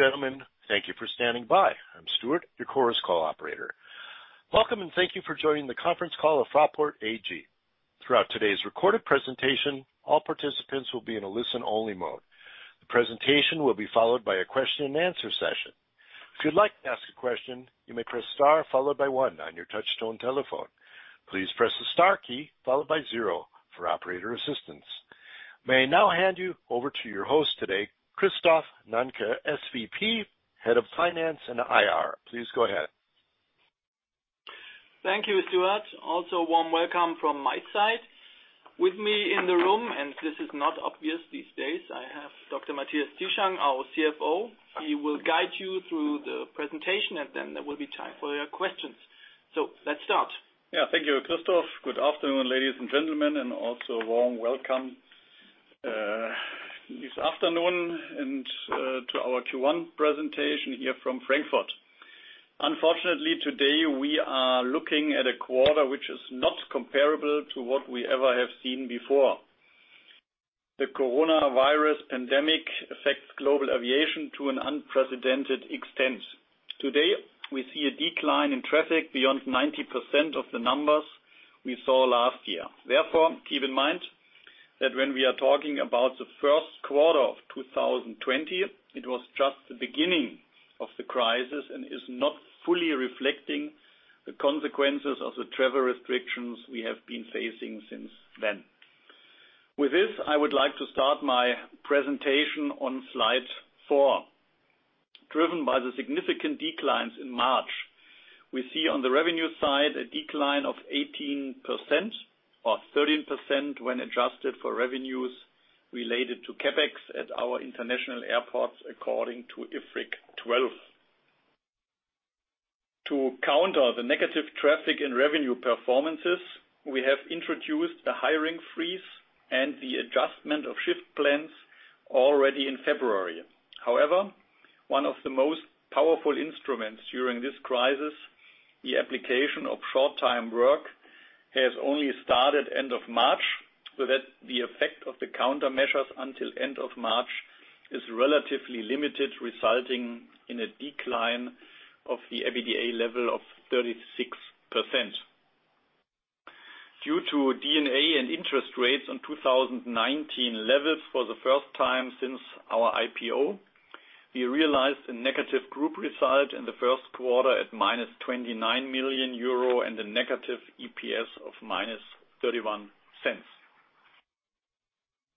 Ladies and gentlemen, thank you for standing by. I'm Stewart, your Chorus Call operator. Welcome and thank you for joining the conference call of Fraport AG. Throughout today's recorded presentation, all participants will be in a listen-only mode. The presentation will be followed by a question-and-answer session. If you'd like to ask a question, you may press star followed by one on your touch-tone telephone. Please press the star key followed by zero for operator assistance. May I now hand you over to your host today, Christoph Nanke, SVP, Head of Finance and IR? Please go ahead. Thank you, Stewart. Also, warm welcome from my side. With me in the room, and this is not obvious these days, I have Dr. Matthias Zieschang, our CFO. He will guide you through the presentation, and then there will be time for your questions. So let's start. Yeah, thank you, Christoph. Good afternoon, ladies and gentlemen, and also warm welcome this afternoon to our Q1 presentation here from Frankfurt. Unfortunately, today we are looking at a quarter which is not comparable to what we ever have seen before. The coronavirus pandemic affects global aviation to an unprecedented extent. Today, we see a decline in traffic beyond 90% of the numbers we saw last year. Therefore, keep in mind that when we are talking about the first quarter of 2020, it was just the beginning of the crisis and is not fully reflecting the consequences of the travel restrictions we have been facing since then. With this, I would like to start my presentation on slide four. Driven by the significant declines in March, we see on the revenue side a decline of 18% or 13% when adjusted for revenues related to CapEx at our international airports according to IFRIC 12. To counter the negative traffic and revenue performances, we have introduced a hiring freeze and the adjustment of shift plans already in February. However, one of the most powerful instruments during this crisis, the application of short-time work, has only started at the end of March, so that the effect of the countermeasures until the end of March is relatively limited, resulting in a decline of the EBITDA level of 36%. Due to D&A and interest rates on 2019 levels for the first time since our IPO, we realized a negative group result in the first quarter at -29 million euro and a negative EPS of -0.31.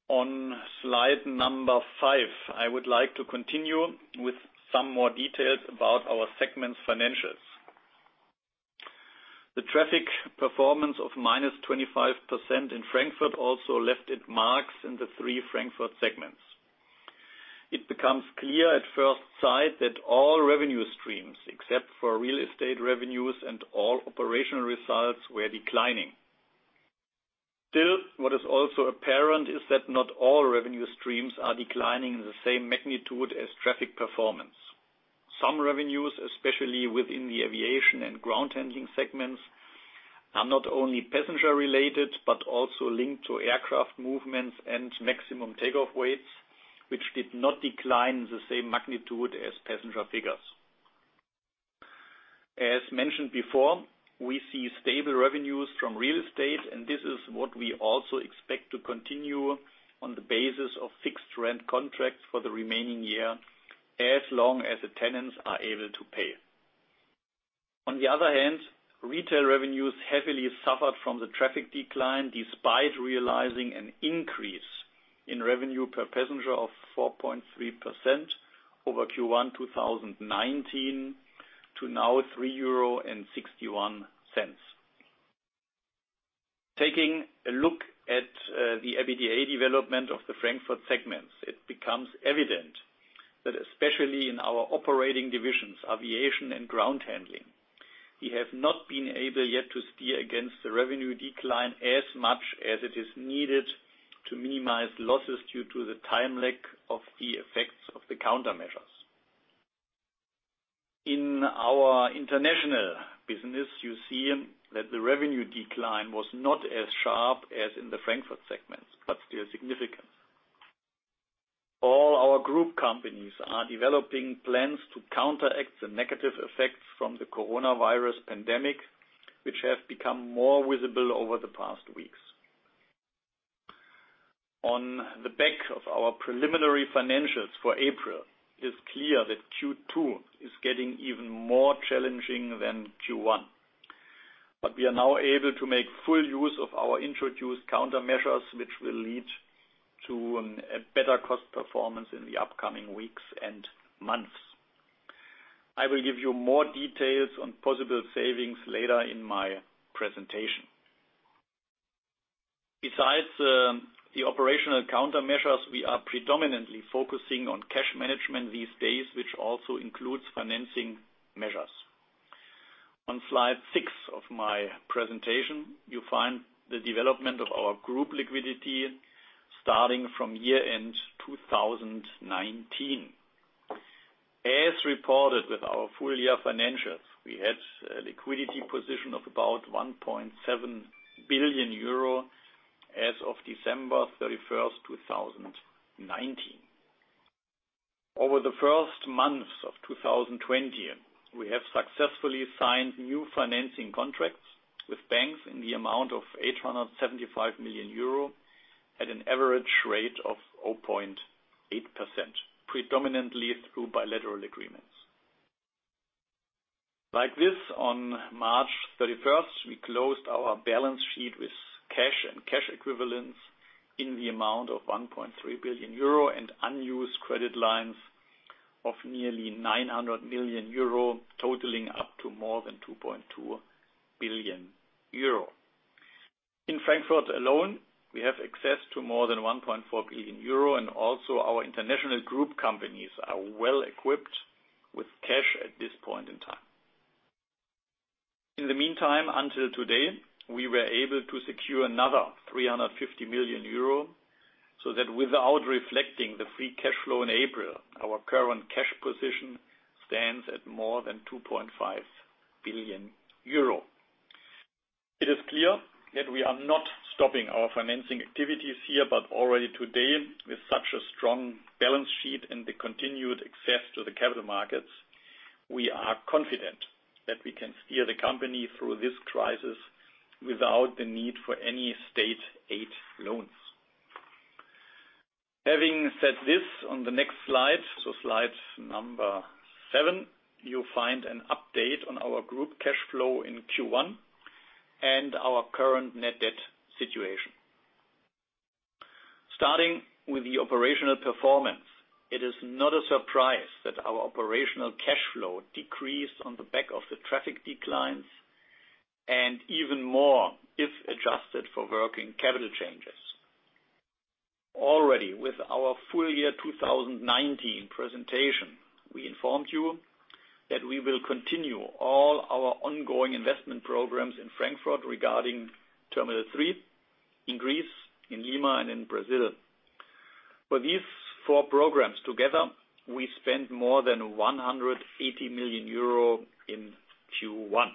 On slide number five, I would like to continue with some more details about our segment's financials. The traffic performance of minus 25% in Frankfurt also left its marks in the three Frankfurt segments. It becomes clear at first sight that all revenue streams, except for real estate revenues and all operational results, were declining. Still, what is also apparent is that not all revenue streams are declining in the same magnitude as traffic performance. Some revenues, especially within the aviation and ground handling segments, are not only passenger-related but also linked to aircraft movements and maximum take-off weights, which did not decline in the same magnitude as passenger figures. As mentioned before, we see stable revenues from real estate, and this is what we also expect to continue on the basis of fixed rent contracts for the remaining year as long as the tenants are able to pay. On the other hand, retail revenues heavily suffered from the traffic decline despite realizing an increase in revenue per passenger of 4.3% over Q1 2019 to now 3.61 euro. Taking a look at the EBITDA development of the Frankfurt segments, it becomes evident that especially in our operating divisions, aviation and ground handling, we have not been able yet to steer against the revenue decline as much as it is needed to minimize losses due to the time lag of the effects of the countermeasures. In our international business, you see that the revenue decline was not as sharp as in the Frankfurt segments, but still significant. All our group companies are developing plans to counteract the negative effects from the coronavirus pandemic, which have become more visible over the past weeks. On the back of our preliminary financials for April, it is clear that Q2 is getting even more challenging than Q1. But we are now able to make full use of our introduced countermeasures, which will lead to a better cost performance in the upcoming weeks and months. I will give you more details on possible savings later in my presentation. Besides the operational countermeasures, we are predominantly focusing on cash management these days, which also includes financing measures. On slide six of my presentation, you find the development of our group liquidity starting from year-end 2019. As reported with our full-year financials, we had a liquidity position of about 1.7 billion euro as of December 31, 2019. Over the first months of 2020, we have successfully signed new financing contracts with banks in the amount of 875 million euro at an average rate of 0.8%, predominantly through bilateral agreements. Like this, on March 31, we closed our balance sheet with cash and cash equivalents in the amount of 1.3 billion euro and unused credit lines of nearly 900 million euro, totaling up to more than 2.2 billion euro. In Frankfurt alone, we have access to more than 1.4 billion euro, and also our international group companies are well equipped with cash at this point in time. In the meantime, until today, we were able to secure another 350 million euro so that without reflecting the free cash flow in April, our current cash position stands at more than 2.5 billion euro. It is clear that we are not stopping our financing activities here, but already today, with such a strong balance sheet and the continued access to the capital markets, we are confident that we can steer the company through this crisis without the need for any state aid loans. Having said this, on the next slide, so slide number seven, you'll find an update on our group cash flow in Q1 and our current net debt situation. Starting with the operational performance, it is not a surprise that our operational cash flow decreased on the back of the traffic declines and even more if adjusted for working capital changes. Already, with our full-year 2019 presentation, we informed you that we will continue all our ongoing investment programs in Frankfurt regarding Terminal 3 in Greece, in Lima, and in Brazil. For these four programs together, we spent more than 180 million euro in Q1.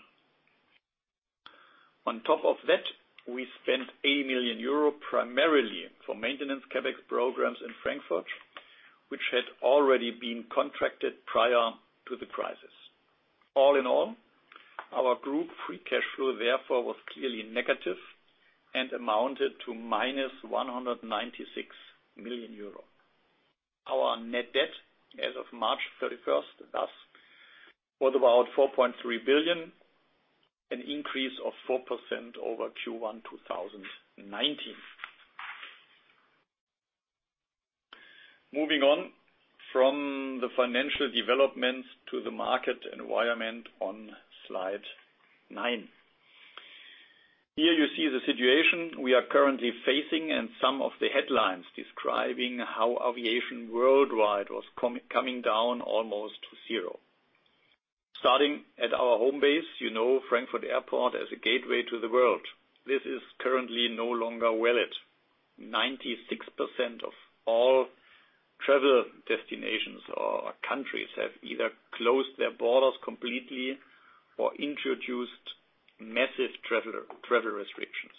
On top of that, we spent 80 million euro primarily for maintenance CapEx programs in Frankfurt, which had already been contracted prior to the crisis. All in all, our group free cash flow, therefore, was clearly negative and amounted to minus 196 million euro. Our net debt as of March 31, thus, was about 4.3 billion, an increase of 4% over Q1 2019. Moving on from the financial developments to the market environment on slide nine. Here you see the situation we are currently facing and some of the headlines describing how aviation worldwide was coming down almost to zero. Starting at our home base, you know Frankfurt Airport as a gateway to the world. This is currently no longer valid. 96% of all travel destinations or countries have either closed their borders completely or introduced massive travel restrictions.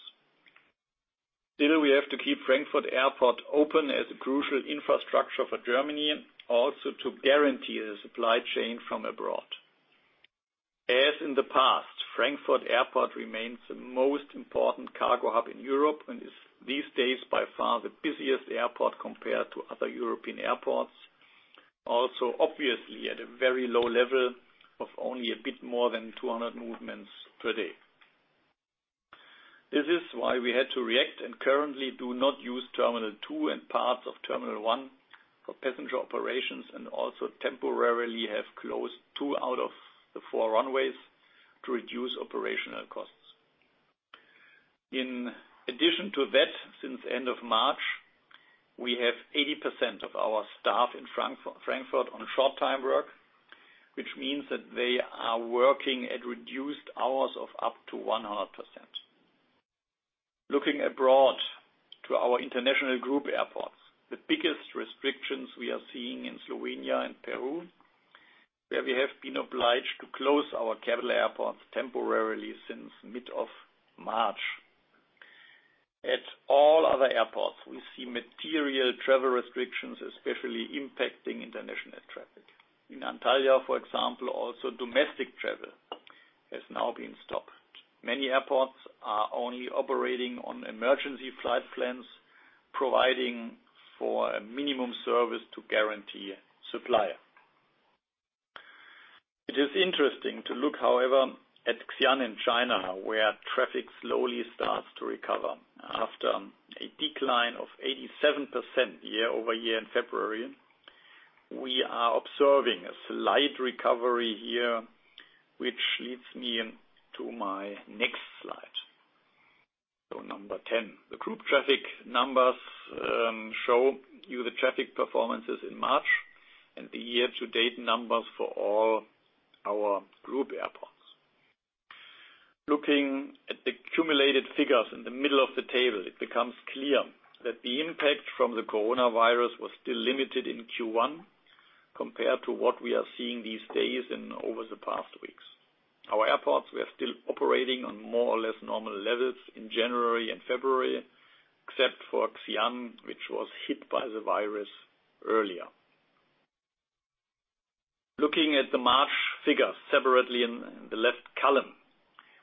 Still, we have to keep Frankfurt Airport open as a crucial infrastructure for Germany, also to guarantee the supply chain from abroad. As in the past, Frankfurt Airport remains the most important cargo hub in Europe and is these days by far the busiest airport compared to other European airports, also obviously at a very low level of only a bit more than 200 movements per day. This is why we had to react and currently do not use Terminal 2 and parts of Terminal 1 for passenger operations and also temporarily have closed two out of the four runways to reduce operational costs. In addition to that, since the end of March, we have 80% of our staff in Frankfurt on short-time work, which means that they are working at reduced hours of up to 100%. Looking abroad to our international group airports, the biggest restrictions we are seeing in Slovenia and Peru, where we have been obliged to close our capital airports temporarily since mid-March. At all other airports, we see material travel restrictions especially impacting international traffic. In Antalya, for example, also domestic travel has now been stopped. Many airports are only operating on emergency flight plans providing for a minimum service to guarantee supply. It is interesting to look, however, at Xi'an in China, where traffic slowly starts to recover. After a decline of 87% year-over-year in February, we are observing a slight recovery here, which leads me to my next slide. So number 10, the group traffic numbers show you the traffic performances in March and the year-to-date numbers for all our group airports. Looking at the cumulated figures in the middle of the table, it becomes clear that the impact from the coronavirus was still limited in Q1 compared to what we are seeing these days and over the past weeks. Our airports were still operating on more or less normal levels in January and February, except for Xi'an, which was hit by the virus earlier. Looking at the March figures separately in the left column,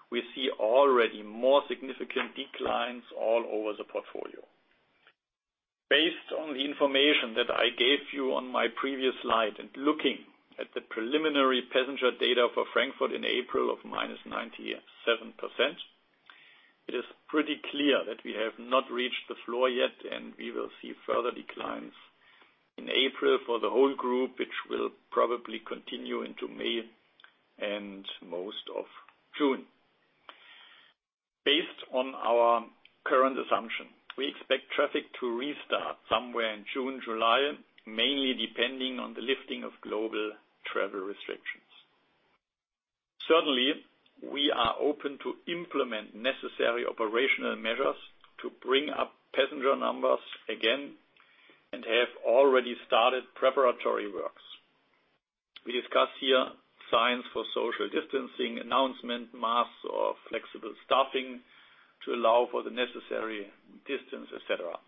we see already more significant declines all over the portfolio. Based on the information that I gave you on my previous slide and looking at the preliminary passenger data for Frankfurt in April of -97%, it is pretty clear that we have not reached the floor yet and we will see further declines in April for the whole group, which will probably continue into May and most of June. Based on our current assumption, we expect traffic to restart somewhere in June, July, mainly depending on the lifting of global travel restrictions. Certainly, we are open to implement necessary operational measures to bring up passenger numbers again and have already started preparatory works. We discuss here signs for social distancing, announcement, masks or flexible staffing to allow for the necessary distance, etc.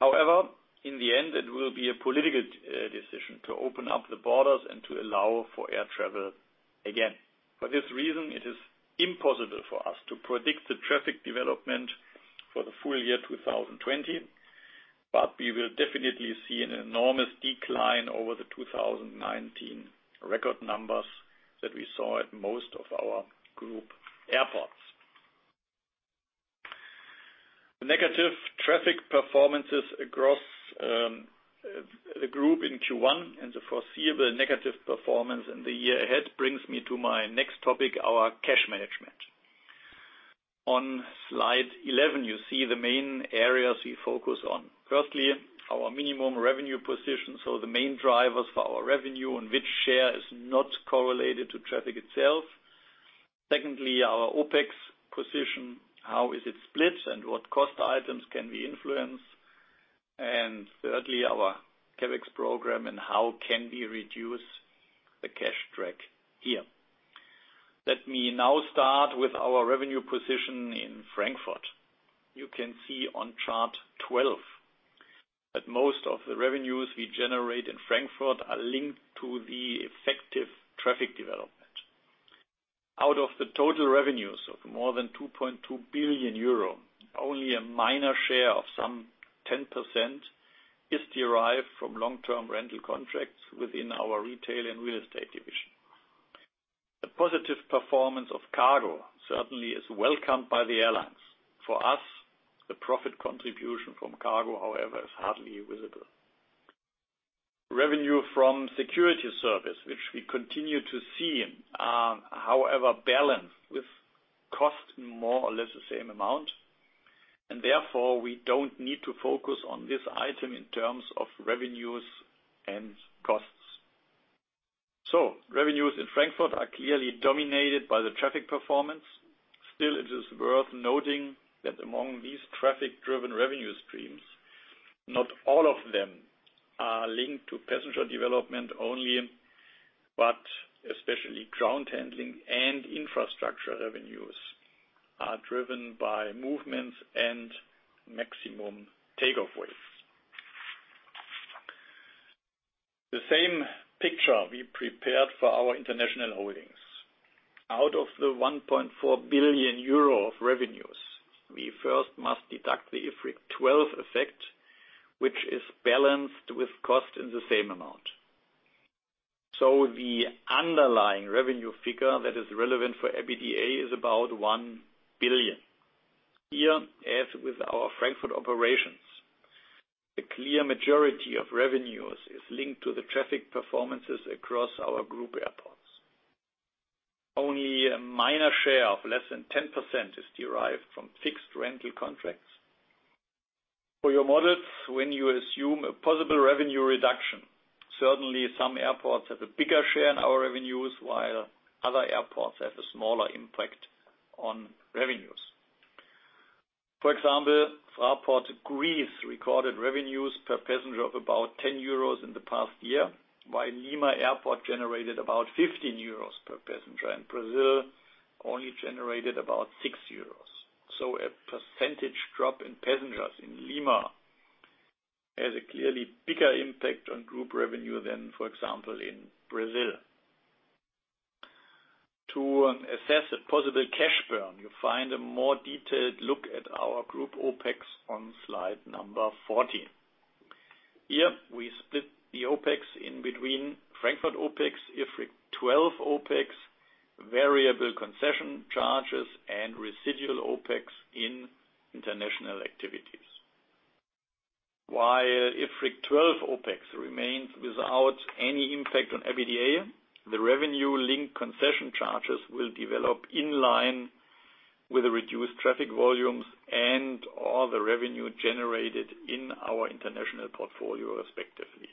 However, in the end, it will be a political decision to open up the borders and to allow for air travel again. For this reason, it is impossible for us to predict the traffic development for the full year 2020, but we will definitely see an enormous decline over the 2019 record numbers that we saw at most of our group airports. The negative traffic performances across the group in Q1 and the foreseeable negative performance in the year ahead brings me to my next topic, our cash management. On slide 11, you see the main areas we focus on. Firstly, our minimum revenue position, so the main drivers for our revenue and which share is not correlated to traffic itself. Secondly, our OpEx position, how is it split and what cost items can we influence. And thirdly, our CapEx program and how can we reduce the cash drag here. Let me now start with our revenue position in Frankfurt. You can see on chart 12 that most of the revenues we generate in Frankfurt are linked to the effective traffic development. Out of the total revenues of more than 2.2 billion euro, only a minor share of some 10% is derived from long-term rental contracts within our retail and real estate division. The positive performance of cargo certainly is welcomed by the airlines. For us, the profit contribution from cargo, however, is hardly visible. Revenue from security service, which we continue to see, are however balanced with cost in more or less the same amount, and therefore we don't need to focus on this item in terms of revenues and costs, so revenues in Frankfurt are clearly dominated by the traffic performance. Still, it is worth noting that among these traffic-driven revenue streams, not all of them are linked to passenger development only, but especially ground handling and infrastructure revenues are driven by movements and maximum take-off weights. The same picture we prepared for our international holdings. Out of the 1.4 billion euro of revenues, we first must deduct the IFRIC 12 effect, which is balanced with cost in the same amount. So the underlying revenue figure that is relevant for EBITDA is about 1 billion. Here, as with our Frankfurt operations, the clear majority of revenues is linked to the traffic performances across our group airports. Only a minor share of less than 10% is derived from fixed rental contracts. For your models, when you assume a possible revenue reduction, certainly some airports have a bigger share in our revenues, while other airports have a smaller impact on revenues. For example, Fraport Greece recorded revenues per passenger of about 10 euros in the past year, while Lima Airport generated about 15 euros per passenger, and Brazil only generated about 6 euros. So a percentage drop in passengers in Lima has a clearly bigger impact on group revenue than, for example, in Brazil. To assess a possible cash burn, you find a more detailed look at our group OpEx on slide number 14. Here we split the OpEx in between Frankfurt OpEx, IFRIC 12 OpEx, variable concession charges, and residual OpEx in international activities. While IFRIC 12 OpEx remains without any impact on EBITDA, the revenue-linked concession charges will develop in line with the reduced traffic volumes and/or the revenue generated in our international portfolio, respectively.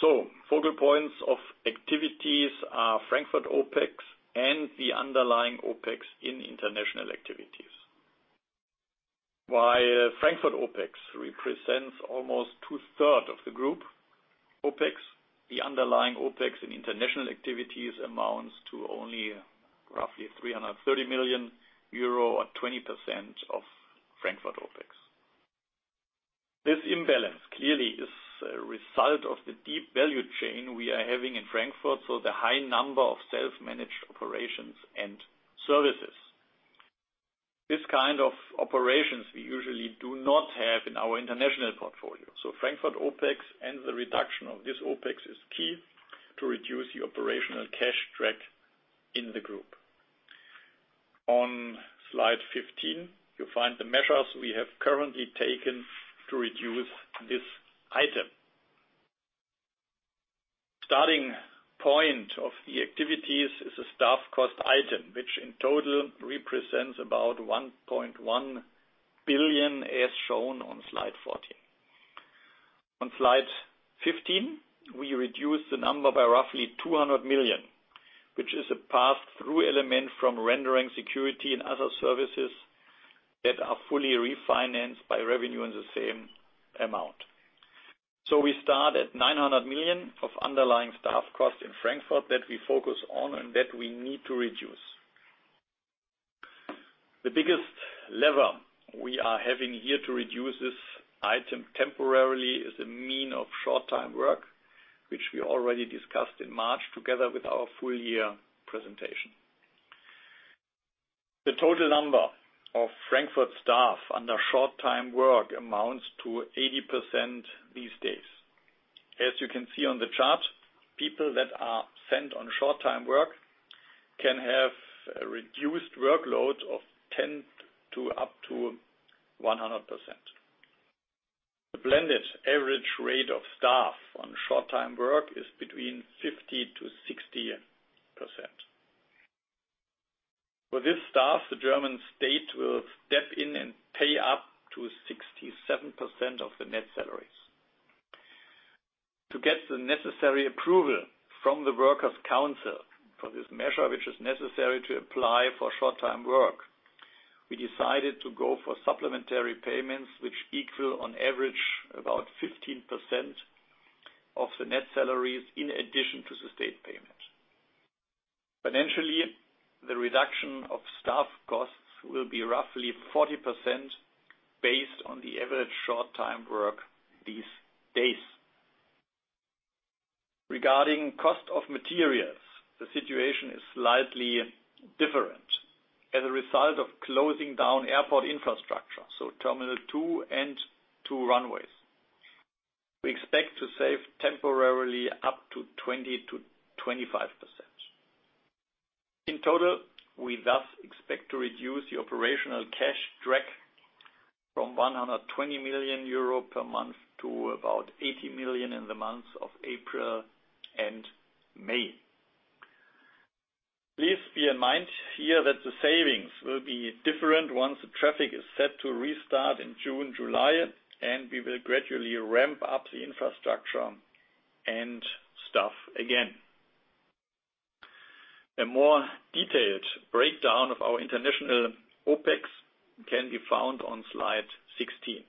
So focal points of activities are Frankfurt OpEx and the underlying OpEx in international activities. While Frankfurt OpEx represents almost two-thirds of the group OpEx, the underlying OpEx in international activities amounts to only roughly 330 million euro or 20% of Frankfurt OpEx. This imbalance clearly is a result of the deep value chain we are having in Frankfurt, so the high number of self-managed operations and services. This kind of operations we usually do not have in our international portfolio. So Frankfurt OpEx and the reduction of this OpEx is key to reduce the operational cash drag in the group. On slide 15, you find the measures we have currently taken to reduce this item. Starting point of the activities is a staff cost item, which in total represents about 1.1 billion, as shown on slide 14. On slide 15, we reduce the number by roughly 200 million, which is a pass-through element from rendering security and other services that are fully refinanced by revenue in the same amount. So we start at 900 million of underlying staff cost in Frankfurt that we focus on and that we need to reduce. The biggest lever we are having here to reduce this item temporarily is a mean of short-time work, which we already discussed in March together with our full-year presentation. The total number of Frankfurt staff under short-time work amounts to 80% these days. As you can see on the chart, people that are sent on short-time work can have a reduced workload of 10% to up to 100%. The blended average rate of staff on short-time work is between 50%-60%. For this staff, the German state will step in and pay up to 67% of the net salaries. To get the necessary approval from the Workers' Council for this measure, which is necessary to apply for short-time work, we decided to go for supplementary payments, which equal on average about 15% of the net salaries in addition to the state payment. Financially, the reduction of staff costs will be roughly 40% based on the average short-time work these days. Regarding cost of materials, the situation is slightly different. As a result of closing down airport infrastructure, so Terminal 2 and two runways, we expect to save temporarily up to 20%-25%. In total, we thus expect to reduce the operational cash burn from 120 million euro per month to about 80 million in the months of April and May. Please be in mind here that the savings will be different once the traffic is set to restart in June and July, and we will gradually ramp up the infrastructure and staff again. A more detailed breakdown of our international OpEx can be found on slide 16.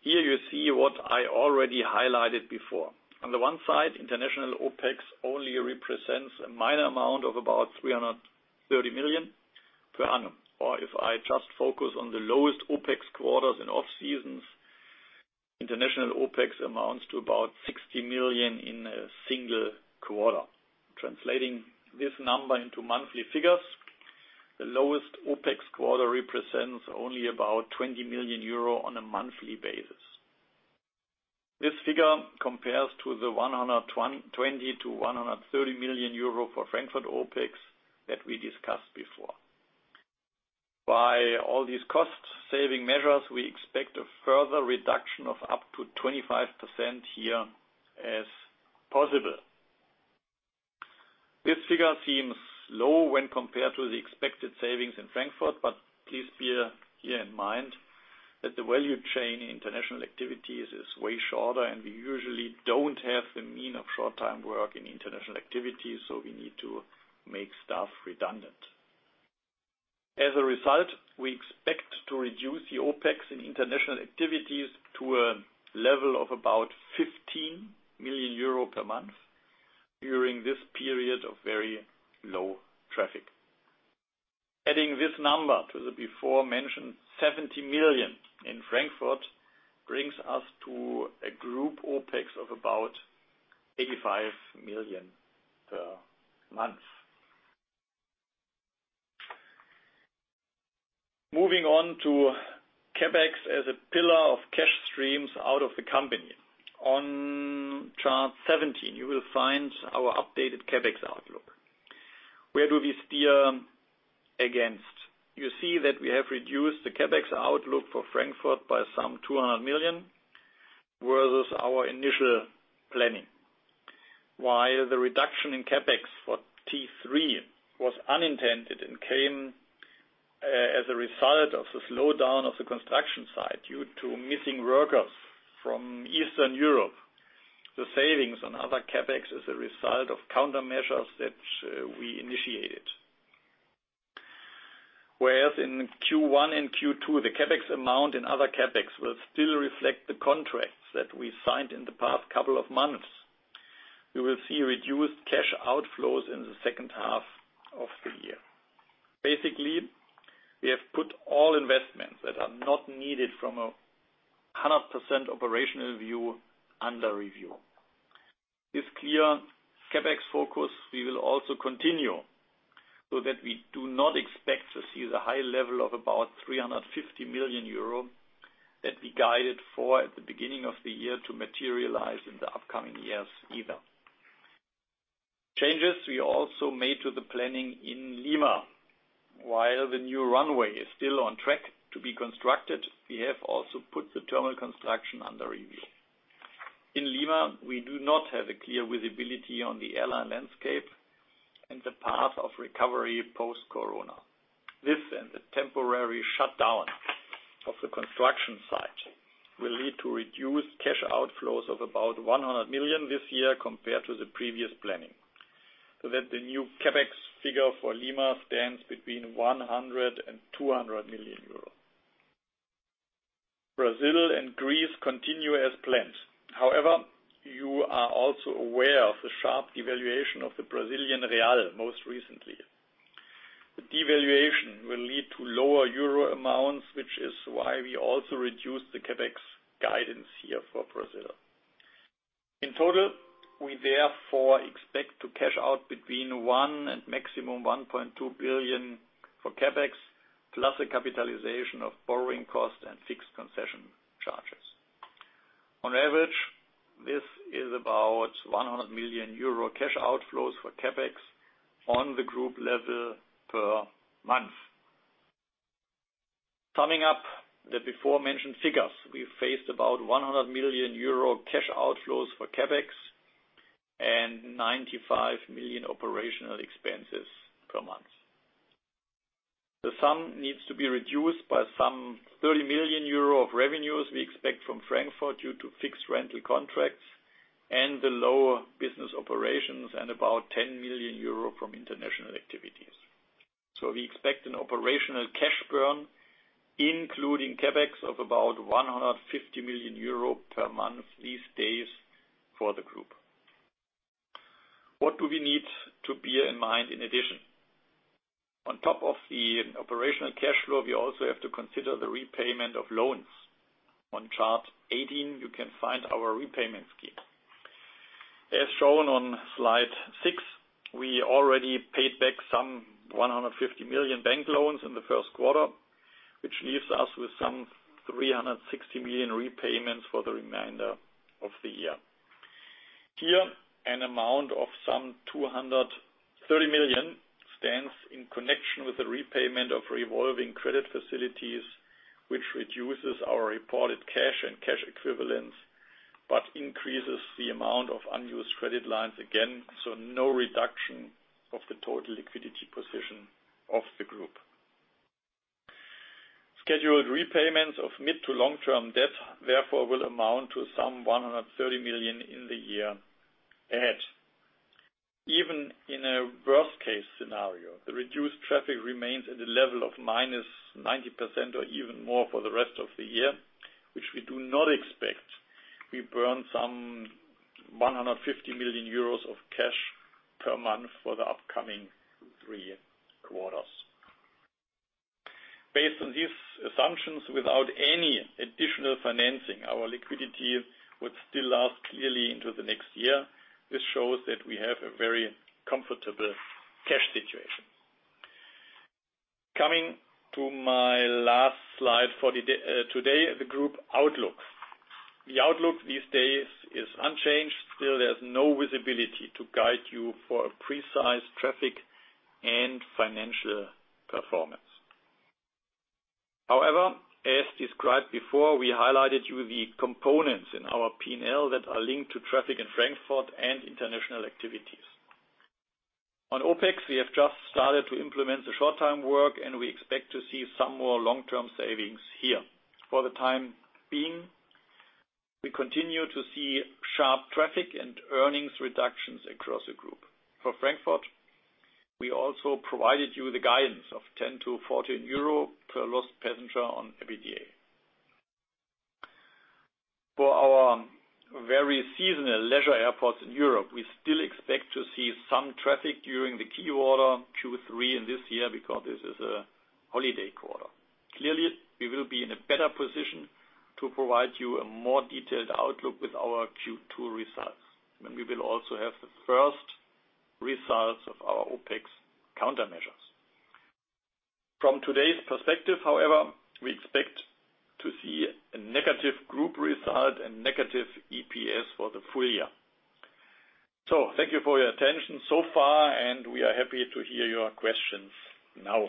Here you see what I already highlighted before. On the one side, international OpEx only represents a minor amount of about 330 million per annum. Or if I just focus on the lowest OpEx quarters in off-seasons, international OpEx amounts to about 60 million in a single quarter. Translating this number into monthly figures, the lowest OpEx quarter represents only about 20 million euro on a monthly basis. This figure compares to the 120-130 million euro for Frankfurt OpEx that we discussed before. By all these cost-saving measures, we expect a further reduction of up to 25% here as possible. This figure seems low when compared to the expected savings in Frankfurt, but please bear in mind that the value chain in international activities is way shorter, and we usually don't have the means of short-time work in international activities, so we need to make staff redundant. As a result, we expect to reduce the OpEx in international activities to a level of about 15 million euro per month during this period of very low traffic. Adding this number to the before-mentioned 70 million in Frankfurt brings us to a group OpEx of about 85 million per month. Moving on to CapEx as a pillar of cash streams out of the company. On chart 17, you will find our updated CapEx outlook. Where do we steer against? You see that we have reduced the CapEx outlook for Frankfurt by some 200 million versus our initial planning. While the reduction in CapEx for T3 was unintended and came as a result of the slowdown of the construction site due to missing workers from Eastern Europe, the savings on other CapEx is a result of countermeasures that we initiated. Whereas in Q1 and Q2, the CapEx amount in other CapEx will still reflect the contracts that we signed in the past couple of months. We will see reduced cash outflows in the second half of the year. Basically, we have put all investments that are not needed from a 100% operational view under review. This clear CapEx focus we will also continue so that we do not expect to see the high level of about 350 million euro that we guided for at the beginning of the year to materialize in the upcoming years either. Changes we also made to the planning in Lima. While the new runway is still on track to be constructed, we have also put the terminal construction under review. In Lima, we do not have a clear visibility on the airline landscape and the path of recovery post-Corona. This and the temporary shutdown of the construction site will lead to reduced cash outflows of about 100 million this year compared to the previous planning. So that the new CapEx figure for Lima stands between 100 million euros and 200 million euro. Brazil and Greece continue as planned. However, you are also aware of the sharp devaluation of the Brazilian real most recently. The devaluation will lead to lower euro amounts, which is why we also reduced the CapEx guidance here for Brazil. In total, we therefore expect to cash out between 1 billion and maximum 1.2 billion for CapEx, plus a capitalization of borrowing cost and fixed concession charges. On average, this is about 100 million euro cash outflows for CapEx on the group level per month. Summing up the before-mentioned figures, we faced about 100 million euro cash outflows for CapEx and 95 million EUR operational expenses per month. The sum needs to be reduced by some 30 million euro of revenues we expect from Frankfurt due to fixed rental contracts and the lower business operations and about 10 million euro from international activities. So we expect an operational cash burn, including CapEx, of about 150 million euro per month these days for the group. What do we need to bear in mind in addition? On top of the operational cash flow, we also have to consider the repayment of loans. On chart 18, you can find our repayment scheme. As shown on slide 6, we already paid back some 150 million bank loans in the first quarter, which leaves us with some 360 million repayments for the remainder of the year. Here, an amount of some 230 million stands in connection with the repayment of revolving credit facilities, which reduces our reported cash and cash equivalents, but increases the amount of unused credit lines again, so no reduction of the total liquidity position of the group. Scheduled repayments of mid to long-term debt therefore will amount to some 130 million in the year ahead. Even in a worst-case scenario, the reduced traffic remains at a level of minus 90% or even more for the rest of the year, which we do not expect. We burn some 150 million euros of cash per month for the upcoming three quarters. Based on these assumptions, without any additional financing, our liquidity would still last clearly into the next year. This shows that we have a very comfortable cash situation. Coming to my last slide for today, the group outlook. The outlook these days is unchanged. Still, there's no visibility to guide you for a precise traffic and financial performance. However, as described before, we highlighted you the components in our P&L that are linked to traffic in Frankfurt and international activities. On OpEx, we have just started to implement the short-time work, and we expect to see some more long-term savings here. For the time being, we continue to see sharp traffic and earnings reductions across the group. For Frankfurt, we also provided you the guidance of 10-14 euro per lost passenger on EBITDA. For our very seasonal leisure airports in Europe, we still expect to see some traffic during the key quarter, Q3, in this year because this is a holiday quarter. Clearly, we will be in a better position to provide you a more detailed outlook with our Q2 results, and we will also have the first results of our OpEx countermeasures. From today's perspective, however, we expect to see a negative group result and negative EPS for the full year, so thank you for your attention so far, and we are happy to hear your questions now.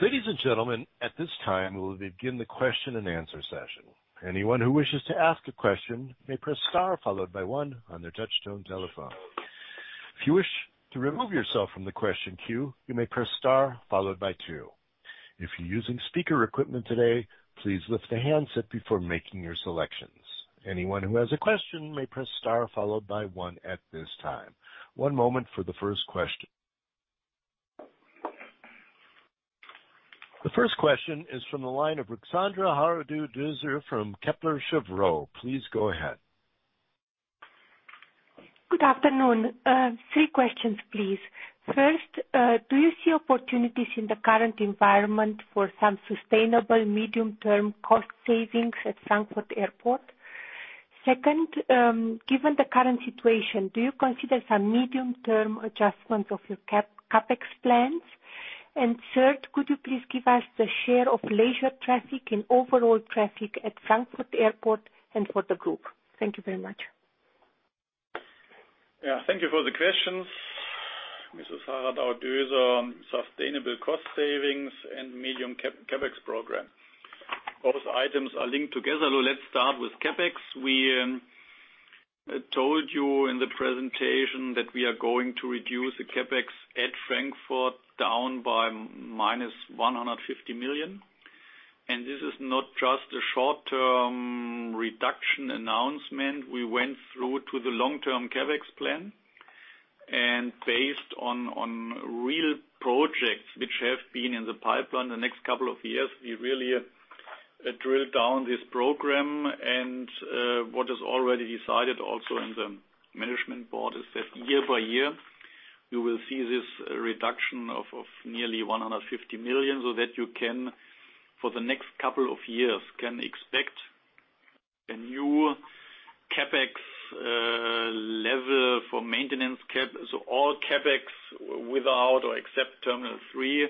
Ladies and gentlemen, at this time, we will begin the question and answer session. Anyone who wishes to ask a question may press star followed by one on their touch-tone telephone. If you wish to remove yourself from the question queue, you may press star followed by two. If you're using speaker equipment today, please lift the handset before making your selections. Anyone who has a question may press star followed by one at this time. One moment for the first question. The first question is from the line of Ruxandra Haradau-Döser from Kepler Cheuvreux. Please go ahead. Good afternoon. Three questions, please. First, do you see opportunities in the current environment for some sustainable medium-term cost savings at Frankfurt Airport? Second, given the current situation, do you consider some medium-term adjustments of your CapEx plans? And third, could you please give us the share of leisure traffic in overall traffic at Frankfurt Airport and for the group? Thank you very much. Yeah, thank you for the questions. Mrs. Haradau-Döser, sustainable cost savings and medium CapEx program. Both items are linked together. Let's start with CapEx. We told you in the presentation that we are going to reduce the CapEx at Frankfurt down by minus 150 million. And this is not just a short-term reduction announcement. We went through to the long-term CapEx plan. And based on real projects which have been in the pipeline the next couple of years, we really drilled down this program. And what is already decided also in the management board is that year by year, you will see this reduction of nearly 150 million so that you can, for the next couple of years, expect a new CapEx level for maintenance CapEx. So all CapEx without or except Terminal 3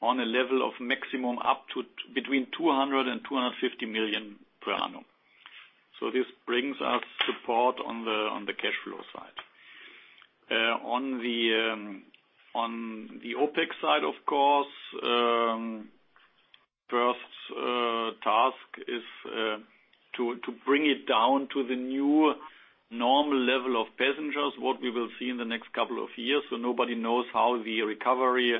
on a level of maximum up to between 200 million and 250 million per annum. So this brings us support on the cash flow side. On the OpEx side, of course, the first task is to bring it down to the new normal level of passengers, what we will see in the next couple of years. So nobody knows how the recovery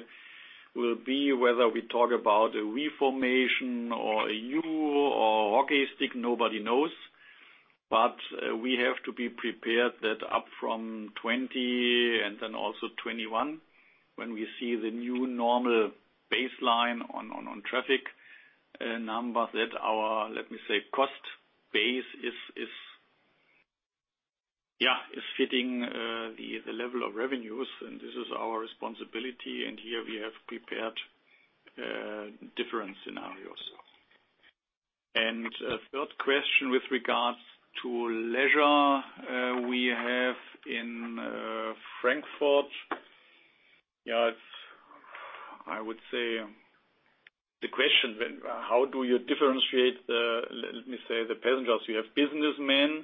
will be, whether we talk about a V formation or a U or hockey stick, nobody knows. But we have to be prepared that up from 2020 and then also 2021, when we see the new normal baseline on traffic numbers, that our, let me say, cost base is, yeah, is fitting the level of revenues. And this is our responsibility. And here we have prepared different scenarios. And third question with regards to leisure we have in Frankfurt. Yeah, I would say the question, how do you differentiate, let me say, the passengers? You have businessmen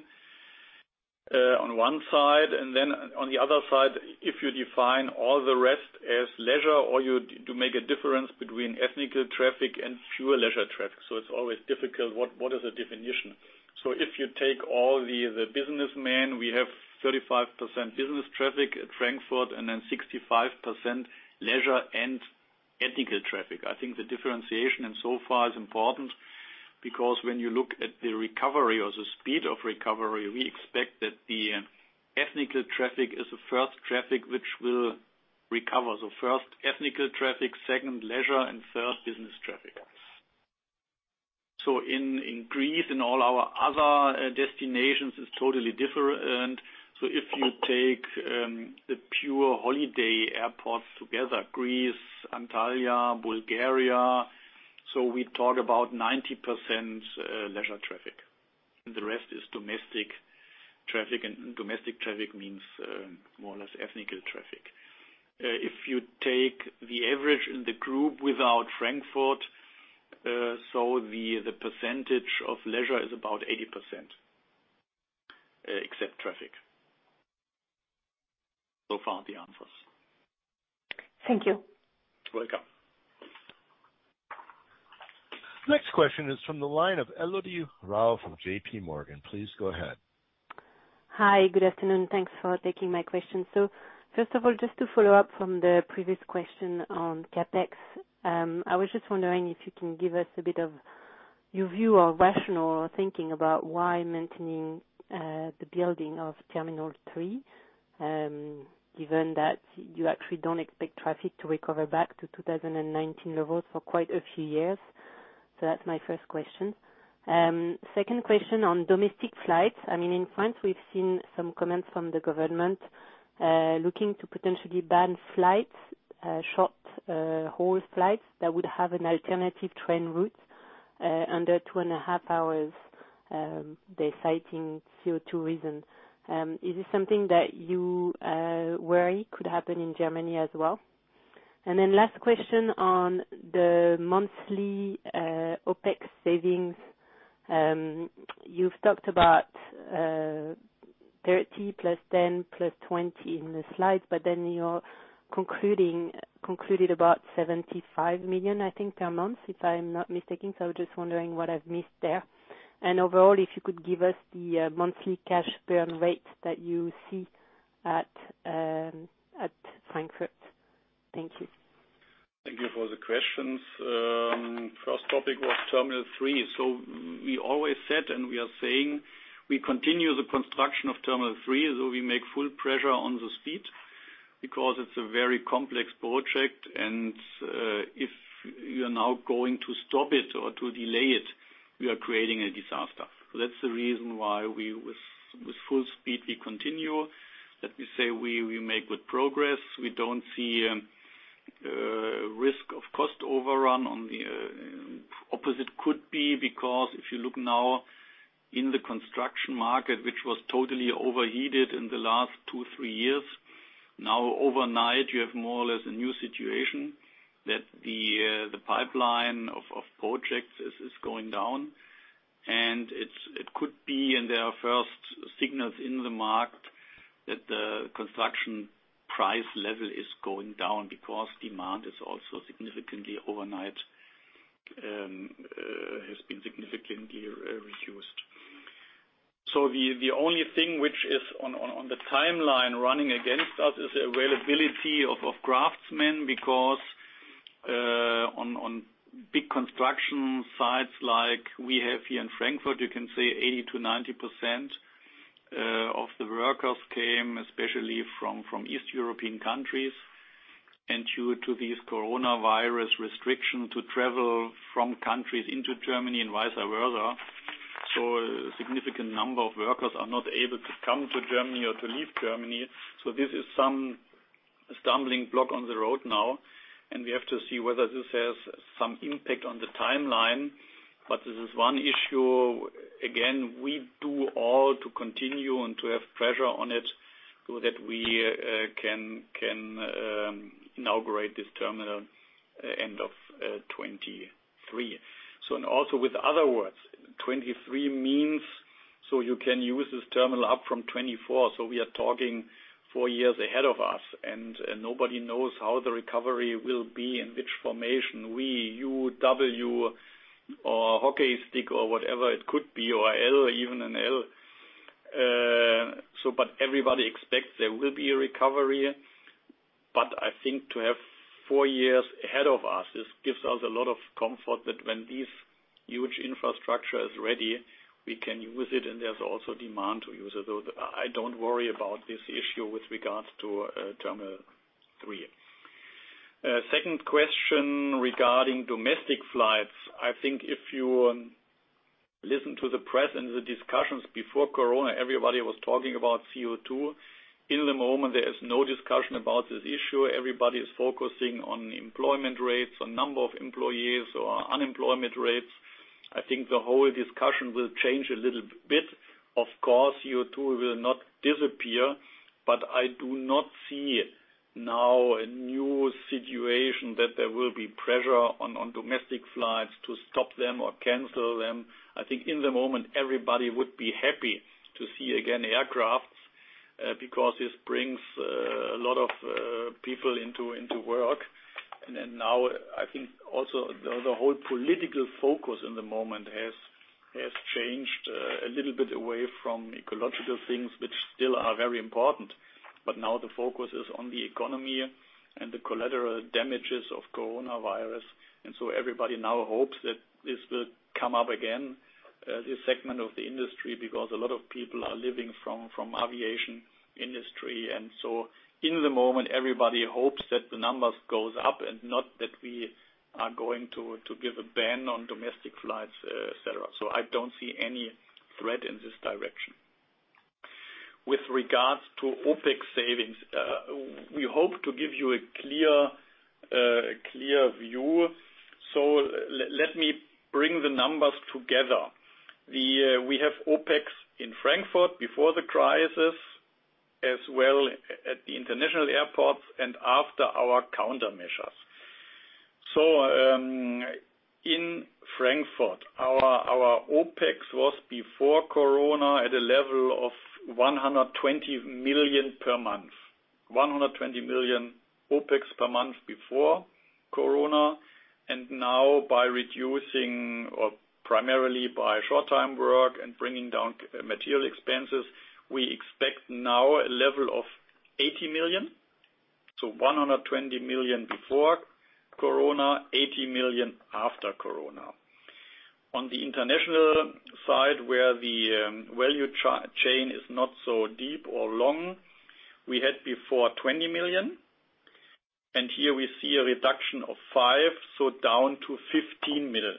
on one side, and then on the other side, if you define all the rest as leisure, or do you make a difference between ethnic traffic and pure leisure traffic? So it's always difficult. What is the definition? So if you take all the businessmen, we have 35% business traffic at Frankfurt and then 65% leisure and ethnic traffic. I think the differentiation in so far is important because when you look at the recovery or the speed of recovery, we expect that the ethnic traffic is the first traffic which will recover. So first ethnic traffic, second leisure, and third business traffic. So in Greece, in all our other destinations, it's totally different. So if you take the pure holiday airports together, Greece, Antalya, Bulgaria, so we talk about 90% leisure traffic. The rest is domestic traffic, and domestic traffic means more or less ethnic traffic. If you take the average in the group without Frankfurt, so the percentage of leisure is about 80% except traffic. So far the answers. Thank you. Welcome. Next question is from the line of Elodie Rall from JPMorgan. Please go ahead. Hi, good afternoon. Thanks for taking my question. So first of all, just to follow up from the previous question on CapEx, I was just wondering if you can give us a bit of your view or rationale or thinking about why maintaining the building of Terminal 3, given that you actually don't expect traffic to recover back to 2019 levels for quite a few years. So that's my first question. Second question on domestic flights. I mean, in France, we've seen some comments from the government looking to potentially ban flights, short-haul flights that would have an alternative train route under two and a half hours. They're citing CO2 reasons. Is this something that you worry could happen in Germany as well? And then last question on the monthly OpEx savings. You've talked about 30 plus 10 plus 20 in the slides, but then you concluded about 75 million EUR, I think, per month, if I'm not mistaken. So I'm just wondering what I've missed there. And overall, if you could give us the monthly cash burn rate that you see at Frankfurt. Thank you. Thank you for the questions. First topic was Terminal 3. So we always said, and we are saying, we continue the construction of Terminal 3, so we make full pressure on the speed because it's a very complex project. And if you're now going to stop it or to delay it, we are creating a disaster. So that's the reason why with full speed we continue. Let me say we make good progress. We don't see a risk of cost overrun. On the opposite could be because if you look now in the construction market, which was totally overheated in the last two, three years, now overnight you have more or less a new situation that the pipeline of projects is going down, and it could be, and there are first signals in the market that the construction price level is going down because demand is also significantly, overnight, has been significantly reduced, so the only thing which is on the timeline running against us is the availability of craftsmen because on big construction sites like we have here in Frankfurt, you can say 80%-90% of the workers came especially from East European countries. Due to these coronavirus restrictions to travel from countries into Germany and vice versa, a significant number of workers are not able to come to Germany or to leave Germany. This is some stumbling block on the road now. We have to see whether this has some impact on the timeline. This is one issue. Again, we do all to continue and to have pressure on it so that we can inaugurate this terminal end of 2023. In other words, 2023 means so you can use this terminal up from 2024. We are talking four years ahead of us. Nobody knows how the recovery will be in which formation, V, U, W, or hockey stick or whatever it could be, or L, even an L. Everybody expects there will be a recovery. But I think to have four years ahead of us. This gives us a lot of comfort that when this huge infrastructure is ready, we can use it and there's also demand to use it. So I don't worry about this issue with regards to Terminal 3. Second question regarding domestic flights. I think if you listen to the press and the discussions before corona, everybody was talking about CO2. In the moment, there is no discussion about this issue. Everybody is focusing on employment rates, on number of employees, or unemployment rates. I think the whole discussion will change a little bit. Of course, CO2 will not disappear. But I do not see now a new situation that there will be pressure on domestic flights to stop them or cancel them. I think in the moment, everybody would be happy to see again aircrafts because this brings a lot of people into work, and then now, I think also the whole political focus in the moment has changed a little bit away from ecological things, which still are very important, but now the focus is on the economy and the collateral damages of coronavirus, and so everybody now hopes that this will come up again, this segment of the industry, because a lot of people are living from aviation industry, and so in the moment, everybody hopes that the numbers go up and not that we are going to give a ban on domestic flights, etc., so I don't see any threat in this direction. With regards to OpEx savings, we hope to give you a clear view, so let me bring the numbers together. We have OpEx in Frankfurt before the crisis, as well at the international airports, and after our countermeasures. In Frankfurt, our OpEx was before corona at a level of 120 million per month, 120 million OpEx per month before corona. Now, by reducing or primarily by short-time work and bringing down material expenses, we expect a level of 80 million. 120 million before corona, 80 million after corona. On the international side, where the value chain is not so deep or long, we had before 20 million. Here we see a reduction of 5 million, so down to 15 million.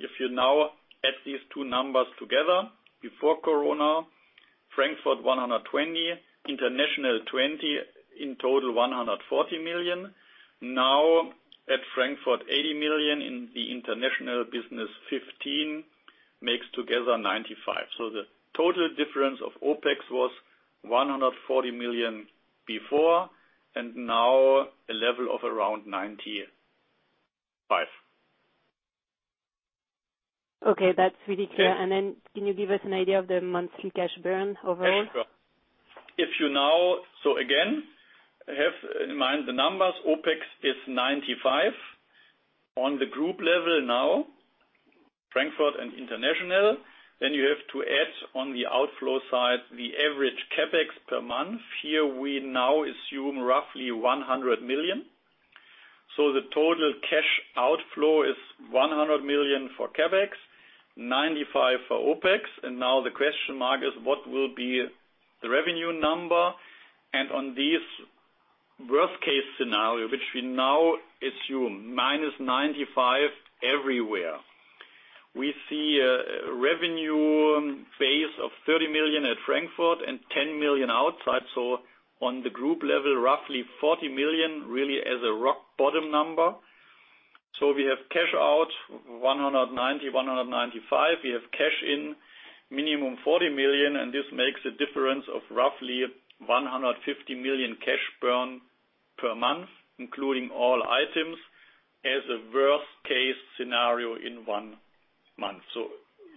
If you now add these two numbers together, before corona, Frankfurt 120 million, international 20 million, in total 140 million. Now at Frankfurt, 80 million, and the international business 15 million makes together 95 million. The total difference of OpEx was 140 million before, and now a level of around 95 million. Okay, that's really clear. And then can you give us an idea of the monthly cash burn overall? If you now, so again, have in mind the numbers, OpEx is 95 million on the group level now, Frankfurt and international. Then you have to add on the outflow side the average CapEx per month. Here we now assume roughly 100 million. So the total cash outflow is 100 million for CapEx, 95 million for OpEx. And now the question mark is, what will be the revenue number? And on this worst-case scenario, which we now assume minus 95 everywhere, we see a revenue base of 30 million at Frankfurt and 10 million outside. So on the group level, roughly 40 million, really as a rock bottom number. So we have cash out 190-195 million. We have cash minimum 40 million. This makes a difference of roughly 150 million cash burn per month, including all items, as a worst-case scenario in one month.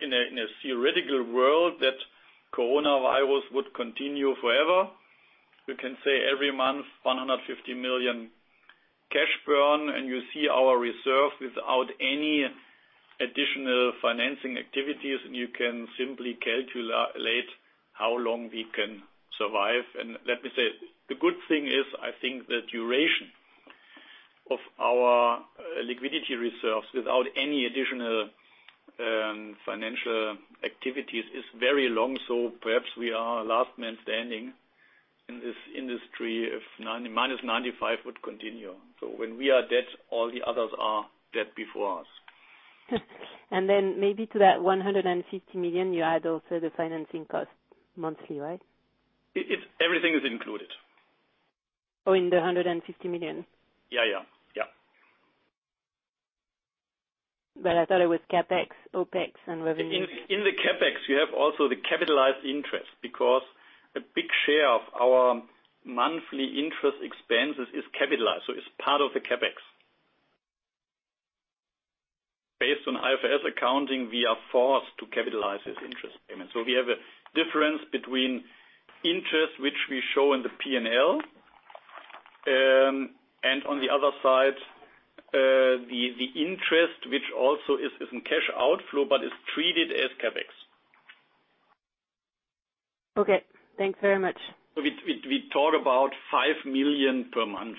In a theoretical world, that coronavirus would continue forever. We can say every month 150 million cash burn, and you see our reserve without any additional financing activities. You can simply calculate how long we can survive. Let me say, the good thing is, I think the duration of our liquidity reserves without any additional financial activities is very long. Perhaps we are last man standing in this industry if minus 95% would continue. When we are dead, all the others are dead before us. Then maybe to that 150 million, you add also the financing cost monthly, right? Everything is included. Oh, in the 150 million? Yeah, yeah. Yeah. But I thought it was CapEx, OpEx, and revenue. In the CapEx, you have also the capitalized interest because a big share of our monthly interest expenses is capitalized. So it's part of the CapEx. Based on IFRS accounting, we are forced to capitalize this interest payment. So we have a difference between interest, which we show in the P&L, and on the other side, the interest, which also is in cash outflow but is treated as CapEx. Okay. Thanks very much. We talk about 5 million per month,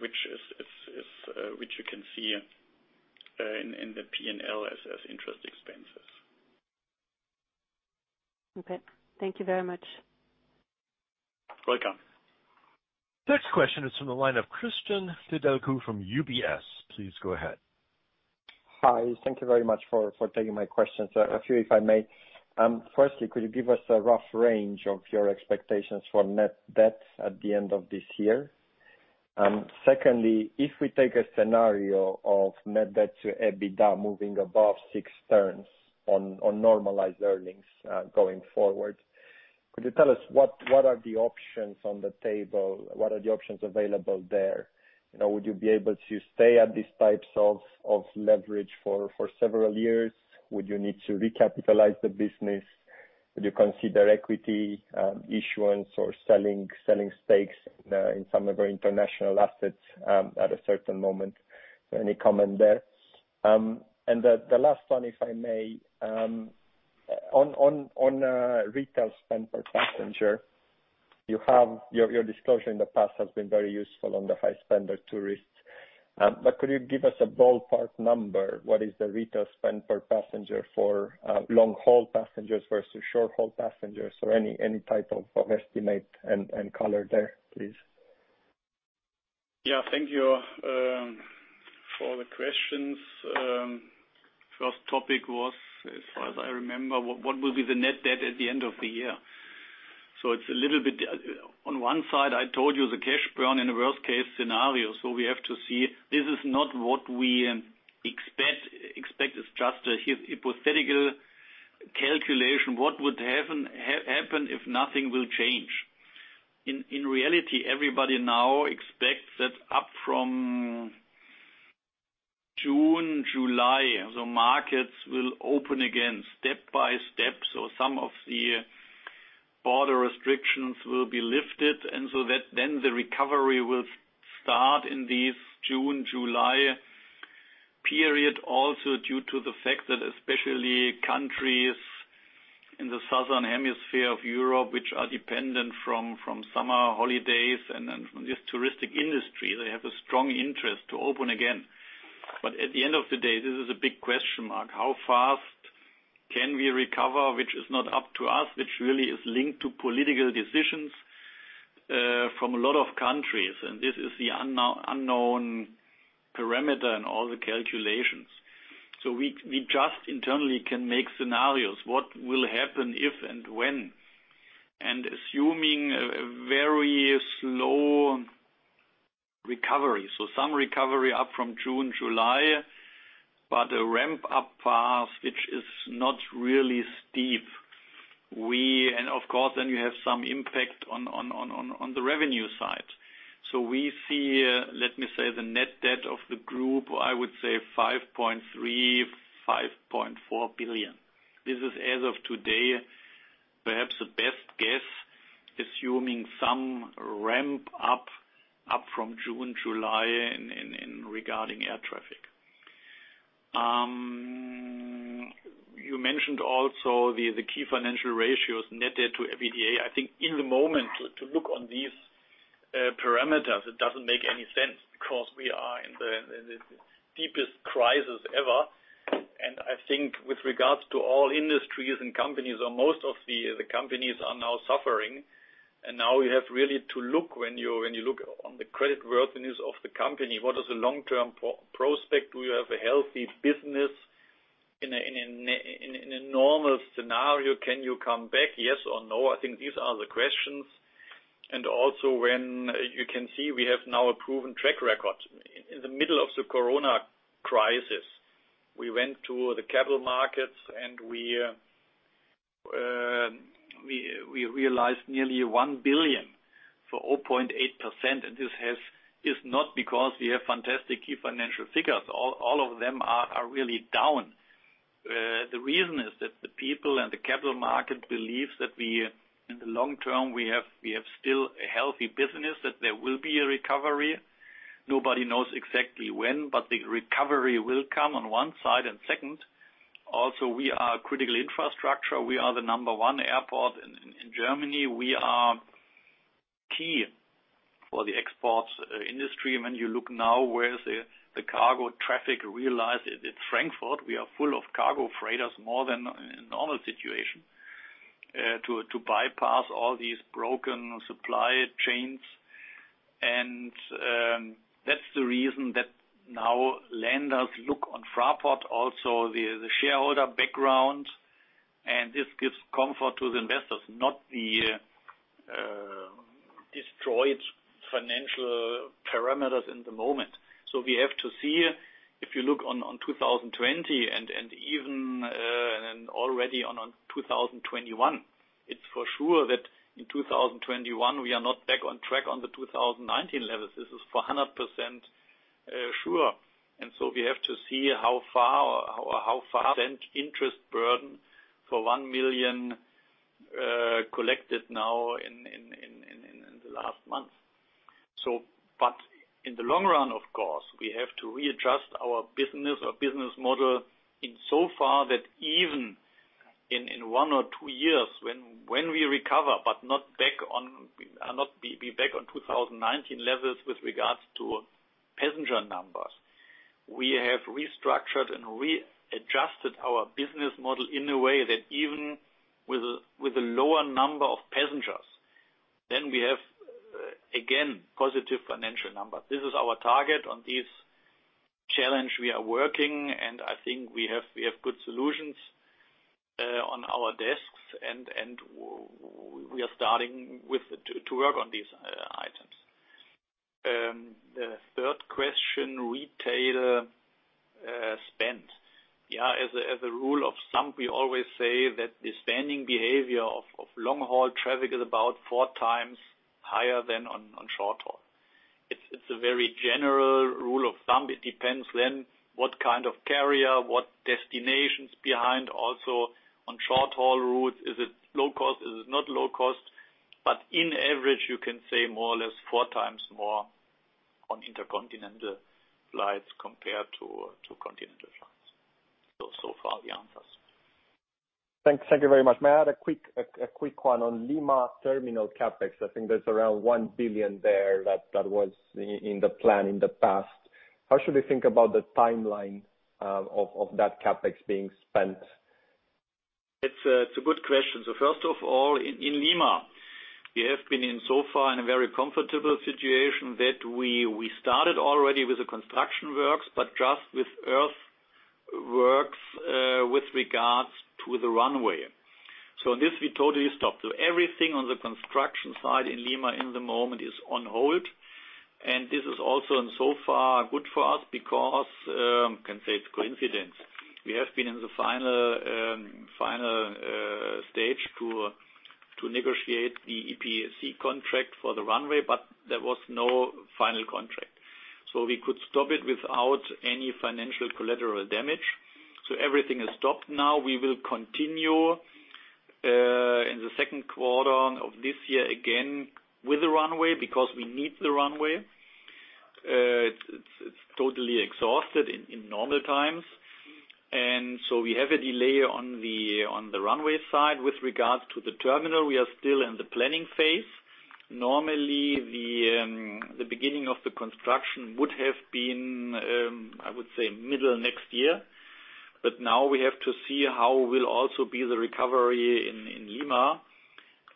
which you can see in the P&L as interest expenses. Okay. Thank you very much. Welcome. Next question is from the line of Cristian Nedelcu from UBS. Please go ahead. Hi. Thank you very much for taking my questions. A few, if I may. Firstly, could you give us a rough range of your expectations for net debt at the end of this year? Secondly, if we take a scenario of net debt-to-EBITDA moving above six times on normalized earnings going forward, could you tell us what are the options on the table? What are the options available there? Would you be able to stay at these types of leverage for several years? Would you need to recapitalize the business? Would you consider equity issuance or selling stakes in some of our international assets at a certain moment? Any comment there? And the last one, if I may, on retail spend per passenger, your disclosure in the past has been very useful on the high spender tourist. But could you give us a ballpark number? What is the retail spend per passenger for long-haul passengers versus short-haul passengers? Or any type of estimate and color there, please? Yeah. Thank you for the questions. First topic was, as far as I remember, what will be the net debt at the end of the year? So it's a little bit on one side. I told you the cash burn in a worst-case scenario. So we have to see. This is not what we expect. Expect is just a hypothetical calculation. What would happen if nothing will change? In reality, everybody now expects that up from June, July, the markets will open again step by step. So some of the border restrictions will be lifted. And so then the recovery will start in this June, July period, also due to the fact that especially countries in the southern hemisphere of Europe, which are dependent from summer holidays and this touristic industry, they have a strong interest to open again. But at the end of the day, this is a big question mark. How fast can we recover, which is not up to us, which really is linked to political decisions from a lot of countries. And this is the unknown parameter in all the calculations. So we just internally can make scenarios. What will happen if and when? And assuming a very slow recovery, so some recovery up from June, July, but a ramp-up path, which is not really steep. And of course, then you have some impact on the revenue side. So we see, let me say, the net debt of the group, I would say 5.3 billion-5.4 billion. This is as of today, perhaps the best guess, assuming some ramp-up up from June, July regarding air traffic. You mentioned also the key financial ratios, net debt to EBITDA. I think in the moment, to look on these parameters, it doesn't make any sense because we are in the deepest crisis ever, and I think with regards to all industries and companies, or most of the companies are now suffering, and now you have really to look when you look on the creditworthiness of the company, what is the long-term prospect? Do you have a healthy business? In a normal scenario, can you come back? Yes or no? I think these are the questions, and also when you can see we have now a proven track record. In the middle of the corona crisis, we went to the capital markets, and we realized nearly 1 billion for 0.8%. And this is not because we have fantastic key financial figures. All of them are really down. The reason is that the people and the capital market believe that in the long term, we have still a healthy business, that there will be a recovery. Nobody knows exactly when, but the recovery will come on one side, and second, also we are critical infrastructure. We are the number one airport in Germany. We are key for the export industry. When you look now, where is the cargo traffic realized? It's Frankfurt. We are full of cargo freighters, more than in normal situation, to bypass all these broken supply chains, and that's the reason that now lenders look on Fraport, also the shareholder background, and this gives comfort to the investors, not the destroyed financial parameters in the moment. So we have to see if you look on 2020 and even already on 2021, it's for sure that in 2021, we are not back on track on the 2019 levels. This is for 100% sure. And so we have to see how far percent interest burden for one million collected now in the last month. But in the long run, of course, we have to readjust our business or business model in so far that even in one or two years, when we recover, but not be back on 2019 levels with regards to passenger numbers, we have restructured and readjusted our business model in a way that even with a lower number of passengers, then we have again positive financial numbers. This is our target on this challenge we are working. And I think we have good solutions on our desks. We are starting to work on these items. The third question, retail spend. Yeah, as a rule of thumb, we always say that the spending behavior of long-haul traffic is about four times higher than on short-haul. It's a very general rule of thumb. It depends then what kind of carrier, what destinations behind. Also on short-haul routes, is it low cost? Is it not low cost? But in average, you can say more or less four times more on intercontinental flights compared to continental flights. So far, the answers. Thank you very much. May I add a quick one on Lima terminal CapEx? I think there's around 1 billion there that was in the plan in the past. How should we think about the timeline of that CapEx being spent? It's a good question. So first of all, in Lima, we have been so far in a very comfortable situation that we started already with the construction works, but just with earthworks with regards to the runway. So on this, we totally stopped. So everything on the construction side in Lima in the moment is on hold. And this is also so far good for us because you can say it's coincidence. We have been in the final stage to negotiate the EPC contract for the runway, but there was no final contract. So we could stop it without any financial collateral damage. So everything is stopped now. We will continue in the second quarter of this year again with the runway because we need the runway. It's totally exhausted in normal times. And so we have a delay on the runway side with regards to the terminal. We are still in the planning phase. Normally, the beginning of the construction would have been, I would say, middle next year. But now we have to see how will also be the recovery in Lima.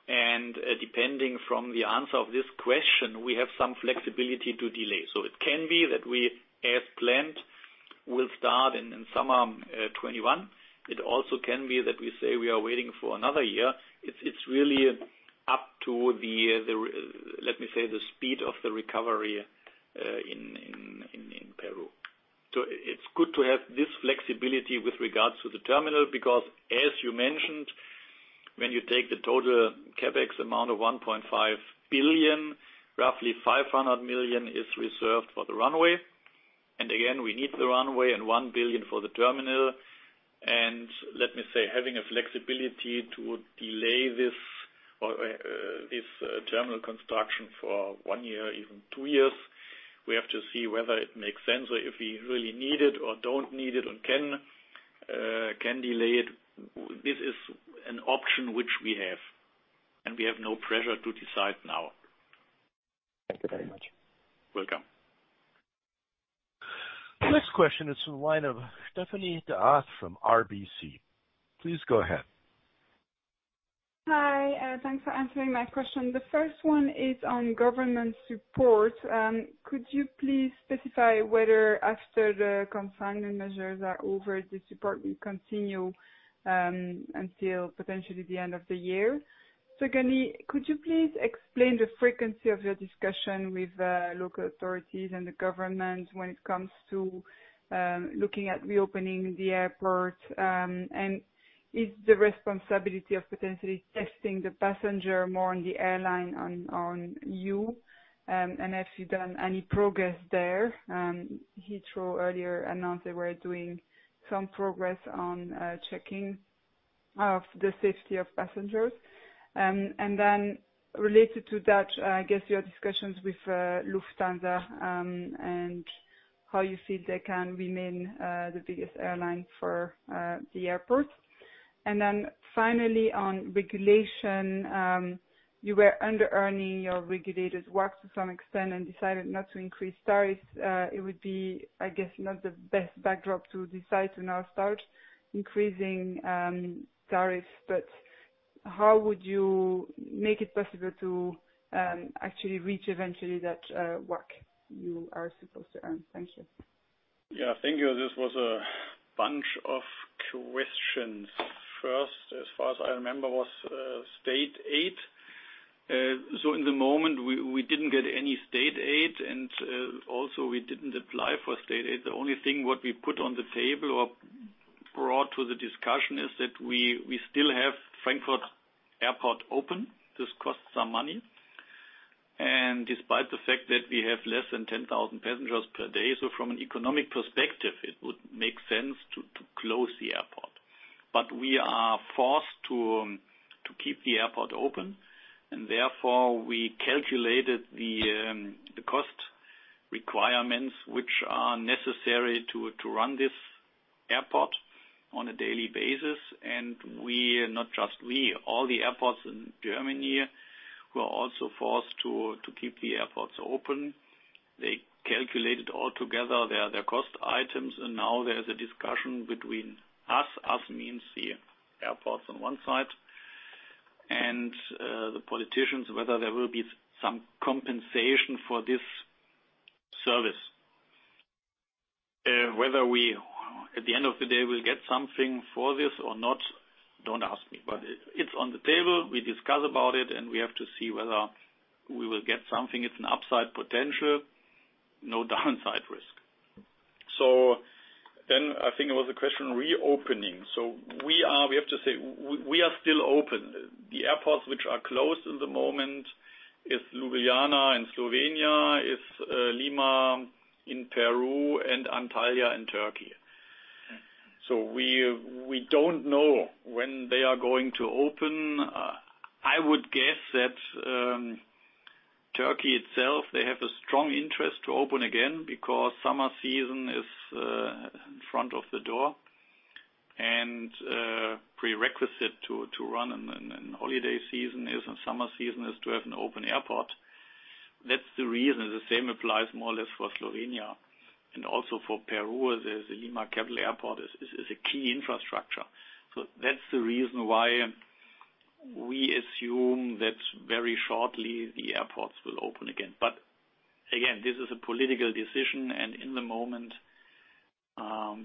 And depending from the answer of this question, we have some flexibility to delay. So it can be that we, as planned, will start in summer 2021. It also can be that we say we are waiting for another year. It's really up to the, let me say, the speed of the recovery in Peru. So it's good to have this flexibility with regards to the terminal because, as you mentioned, when you take the total CapEx amount of 1.5 billion, roughly 500 million is reserved for the runway. And again, we need the runway and 1 billion for the terminal. Let me say, having a flexibility to delay this terminal construction for one year, even two years, we have to see whether it makes sense. So if we really need it or don't need it and can delay it, this is an option which we have. And we have no pressure to decide now. Thank you very much. Welcome. Next question is from the line of Stéphanie D'Ath from RBC. Please go ahead. Hi. Thanks for answering my question. The first one is on government support. Could you please specify whether, after the containment measures are over, the support will continue until potentially the end of the year? Secondly, could you please explain the frequency of your discussion with local authorities and the government when it comes to looking at reopening the airport? And is the responsibility of potentially testing the passengers more on the airline or on you? Have you done any progress there? He threw earlier a note that we're doing some progress on checking of the safety of passengers. Then related to that, I guess your discussions with Lufthansa and how you feel they can remain the biggest airline for the airport. Then finally, on regulation, you were under-earning your regulated revenue to some extent and decided not to increase tariffs. It would be, I guess, not the best backdrop to decide to now start increasing tariffs. But how would you make it possible to actually reach eventually that revenue you are supposed to earn? Thank you. Yeah. Thank you. This was a bunch of questions. First, as far as I remember, was state aid. So at the moment, we didn't get any state aid. Also, we didn't apply for state aid. The only thing what we put on the table or brought to the discussion is that we still have Frankfurt Airport open. This costs some money, and despite the fact that we have less than 10,000 passengers per day, so from an economic perspective, it would make sense to close the airport, but we are forced to keep the airport open, and therefore, we calculated the cost requirements which are necessary to run this airport on a daily basis, and not just we, all the airports in Germany were also forced to keep the airports open. They calculated altogether their cost items, and now there is a discussion between us, us means the airports on one side, and the politicians, whether there will be some compensation for this service. Whether we, at the end of the day, will get something for this or not, don't ask me. But it's on the table. We discuss about it, and we have to see whether we will get something. It's an upside potential, no downside risk. So then I think it was a question of reopening. So we have to say we are still open. The airports which are closed in the moment are Ljubljana in Slovenia, Lima in Peru, and Antalya in Turkey. So we don't know when they are going to open. I would guess that Turkey itself, they have a strong interest to open again because summer season is in front of the door. And prerequisite to run in holiday season is, and summer season is to have an open airport. That's the reason. The same applies more or less for Slovenia. And also for Peru, the Lima Capital Airport is a key infrastructure. That's the reason why we assume that very shortly the airports will open again. Again, this is a political decision. In the moment, how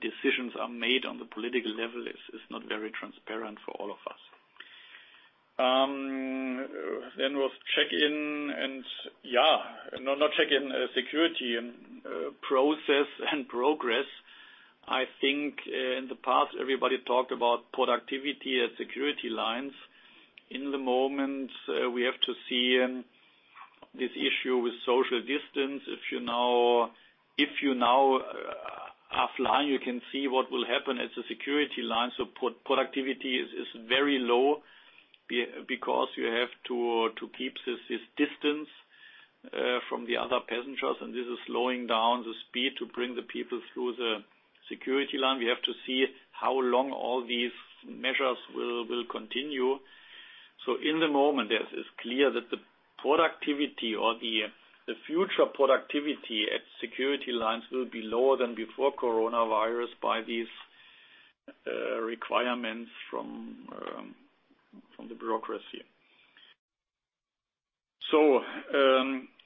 decisions are made on the political level is not very transparent for all of us. Then, what's check-in and yeah, not check-in: security process and progress. I think in the past, everybody talked about productivity at security lines. In the moment, we have to see this issue with social distance. If you now are flying, you can see what will happen at the security line. Productivity is very low because you have to keep this distance from the other passengers. This is slowing down the speed to bring the people through the security line. We have to see how long all these measures will continue. So in the moment, it's clear that the productivity or the future productivity at security lines will be lower than before coronavirus by these requirements from the bureaucracy. So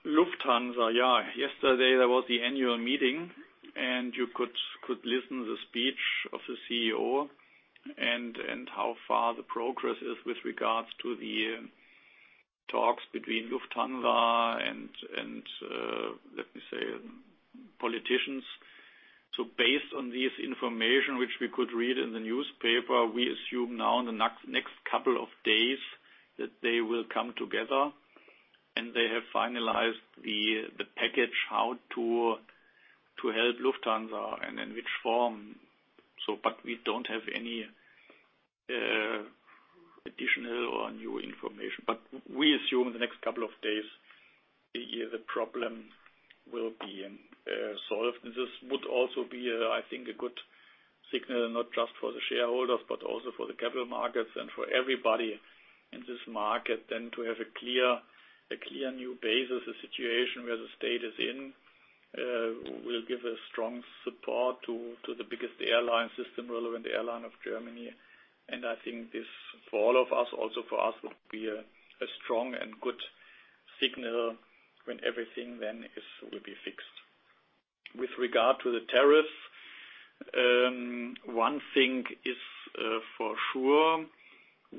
Lufthansa, yeah, yesterday there was the annual meeting, and you could listen to the speech of the CEO and how far the progress is with regards to the talks between Lufthansa and, let me say, politicians. So based on this information, which we could read in the newspaper, we assume now in the next couple of days that they will come together. And they have finalized the package how to help Lufthansa and in which form. But we don't have any additional or new information. But we assume in the next couple of days, the problem will be solved. And this would also be, I think, a good signal not just for the shareholders, but also for the capital markets and for everybody in this market then to have a clear new basis, a situation where the state is in, will give a strong support to the biggest airline, system-relevant airline of Germany. And I think this for all of us, also for us, would be a strong and good signal when everything then will be fixed. With regard to the tariffs, one thing is for sure.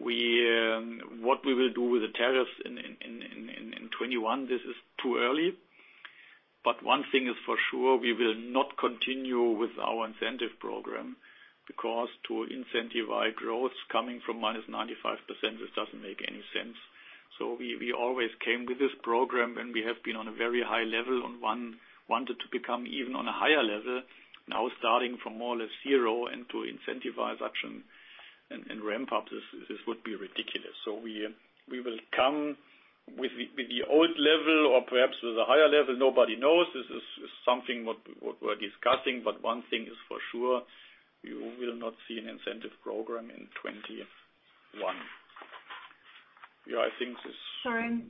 What we will do with the tariffs in 2021, this is too early. But one thing is for sure, we will not continue with our incentive program because to incentivize growth coming from minus 95%, this doesn't make any sense. So we always came with this program, and we have been on a very high level. And one wanted to become even on a higher level, now starting from more or less zero and to incentivize action and ramp up, this would be ridiculous. So we will come with the old level or perhaps with a higher level. Nobody knows. This is something what we're discussing. But one thing is for sure, you will not see an incentive program in 2021. Yeah, I think this. Sorry.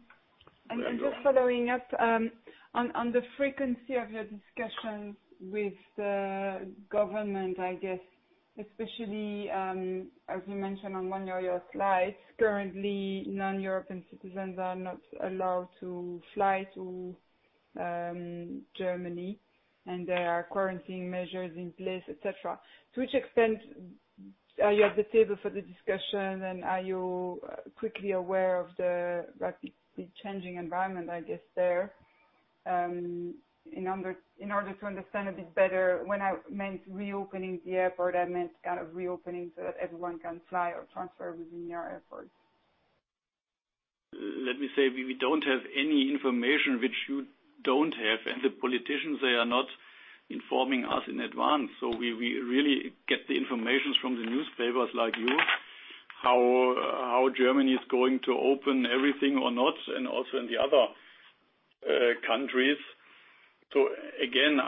I'm just following up on the frequency of your discussions with the government, I guess, especially as you mentioned on one of your slides, currently non-European citizens are not allowed to fly to Germany, and there are quarantine measures in place, etc. To which extent are you at the table for the discussion, and are you quickly aware of the rapidly changing environment, I guess, there? In order to understand a bit better, when I meant reopening the airport, I meant kind of reopening so that everyone can fly or transfer within your airport. Let me say we don't have any information which you don't have. And the politicians, they are not informing us in advance. So we really get the information from the newspapers like you, how Germany is going to open everything or not, and also in the other countries. So again,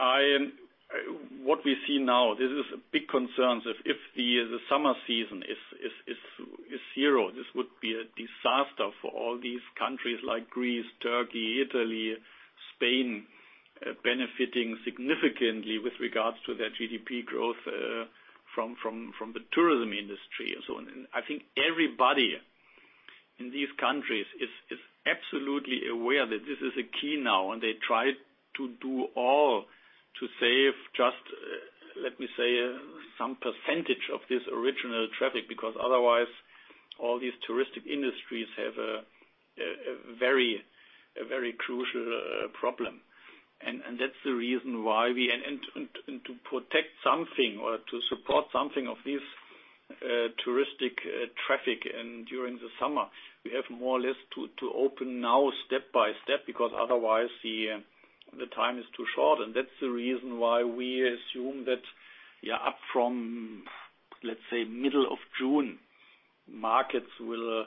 what we see now, this is a big concern. So if the summer season is zero, this would be a disaster for all these countries like Greece, Turkey, Italy, Spain, benefiting significantly with regards to their GDP growth from the tourism industry. So I think everybody in these countries is absolutely aware that this is a key now, and they try to do all to save just, let me say, some percentage of this original traffic because otherwise all these touristic industries have a very crucial problem. And that's the reason why we and to protect something or to support something of this touristic traffic during the summer, we have more or less to open now step by step because otherwise the time is too short. And that's the reason why we assume that, yeah, up from, let's say, middle of June, markets will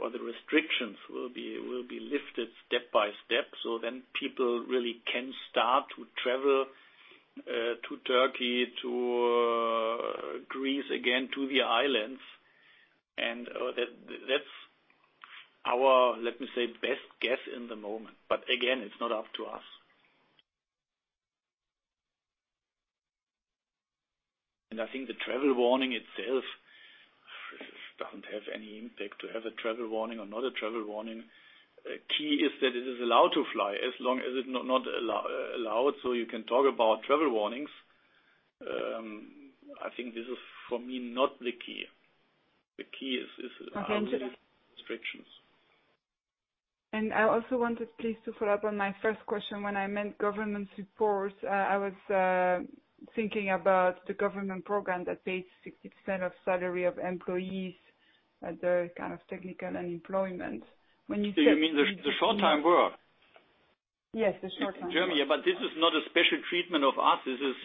or the restrictions will be lifted step by step. So then people really can start to travel to Turkey, to Greece, again, to the islands. And that's our, let me say, best guess in the moment. But again, it's not up to us. I think the travel warning itself doesn't have any impact to have a travel warning or not a travel warning. The key is that it is allowed to fly as long as it's not allowed. You can talk about travel warnings. I think this is, for me, not the key. The key is our restrictions. I also wanted, please, to follow up on my first question. When I meant government support, I was thinking about the government program that pays 60% of salary of employees at the kind of technical unemployment. When you said. So you mean the short-time work? Yes, the short-time work. In Germany. But this is not a special treatment of us. This is,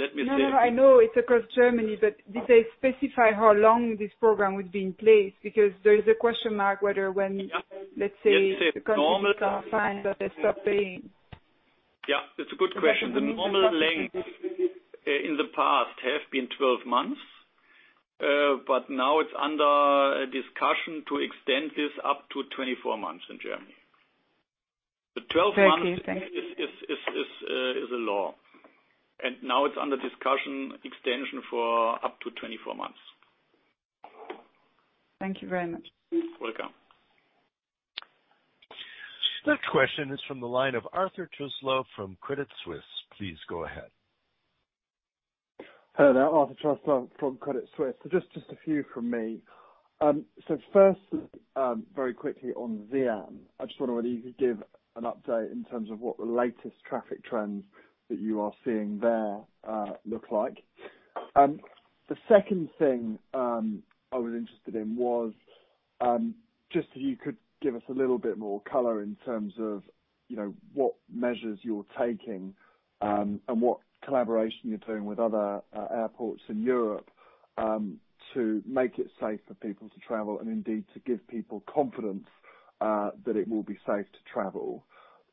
let me say. No, I know it's across Germany, but did they specify how long this program would be in place? Because there is a question mark whether when, let's say, the company can't find that they stop paying. Yeah. It's a good question. The normal length in the past has been 12 months, but now it's under discussion to extend this up to 24 months in Germany. The 12 months is a law. And now it's under discussion extension for up to 24 months. Thank you very much. You're welcome. Next question is from the line of Arthur Truslove from Credit Suisse. Please go ahead. Hello. Arthur Truslove from Credit Suisse. So just a few from me. So first, very quickly on Xi'an, I just wanted to know whether you could give an update in terms of what the latest traffic trends that you are seeing there look like. The second thing I was interested in was just if you could give us a little bit more color in terms of what measures you're taking and what collaboration you're doing with other airports in Europe to make it safe for people to travel and indeed to give people confidence that it will be safe to travel,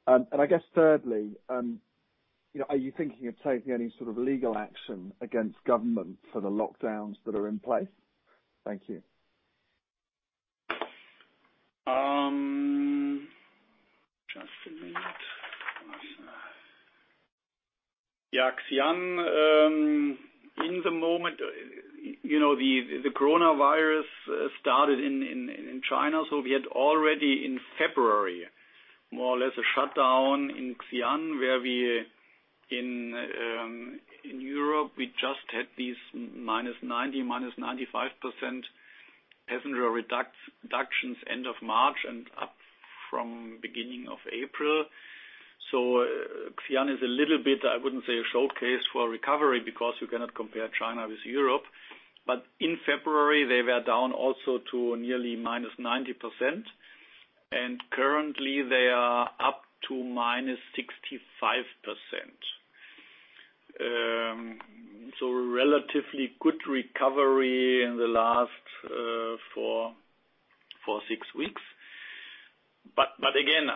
and I guess thirdly, are you thinking of taking any sort of legal action against government for the lockdowns that are in place? Thank you. Just a minute. Yeah. Xi'an, at the moment, the coronavirus started in China. So we had already in February, more or less, a shutdown in Xi'an, where in Europe, we just had these minus 90%, minus 95% passenger reductions end of March and up from beginning of April. Xi'an is a little bit. I wouldn't say a showcase for recovery because you cannot compare China with Europe. But in February, they were down also to nearly -90%. And currently, they are up to -65%. So relatively good recovery in the last four, six weeks. But again,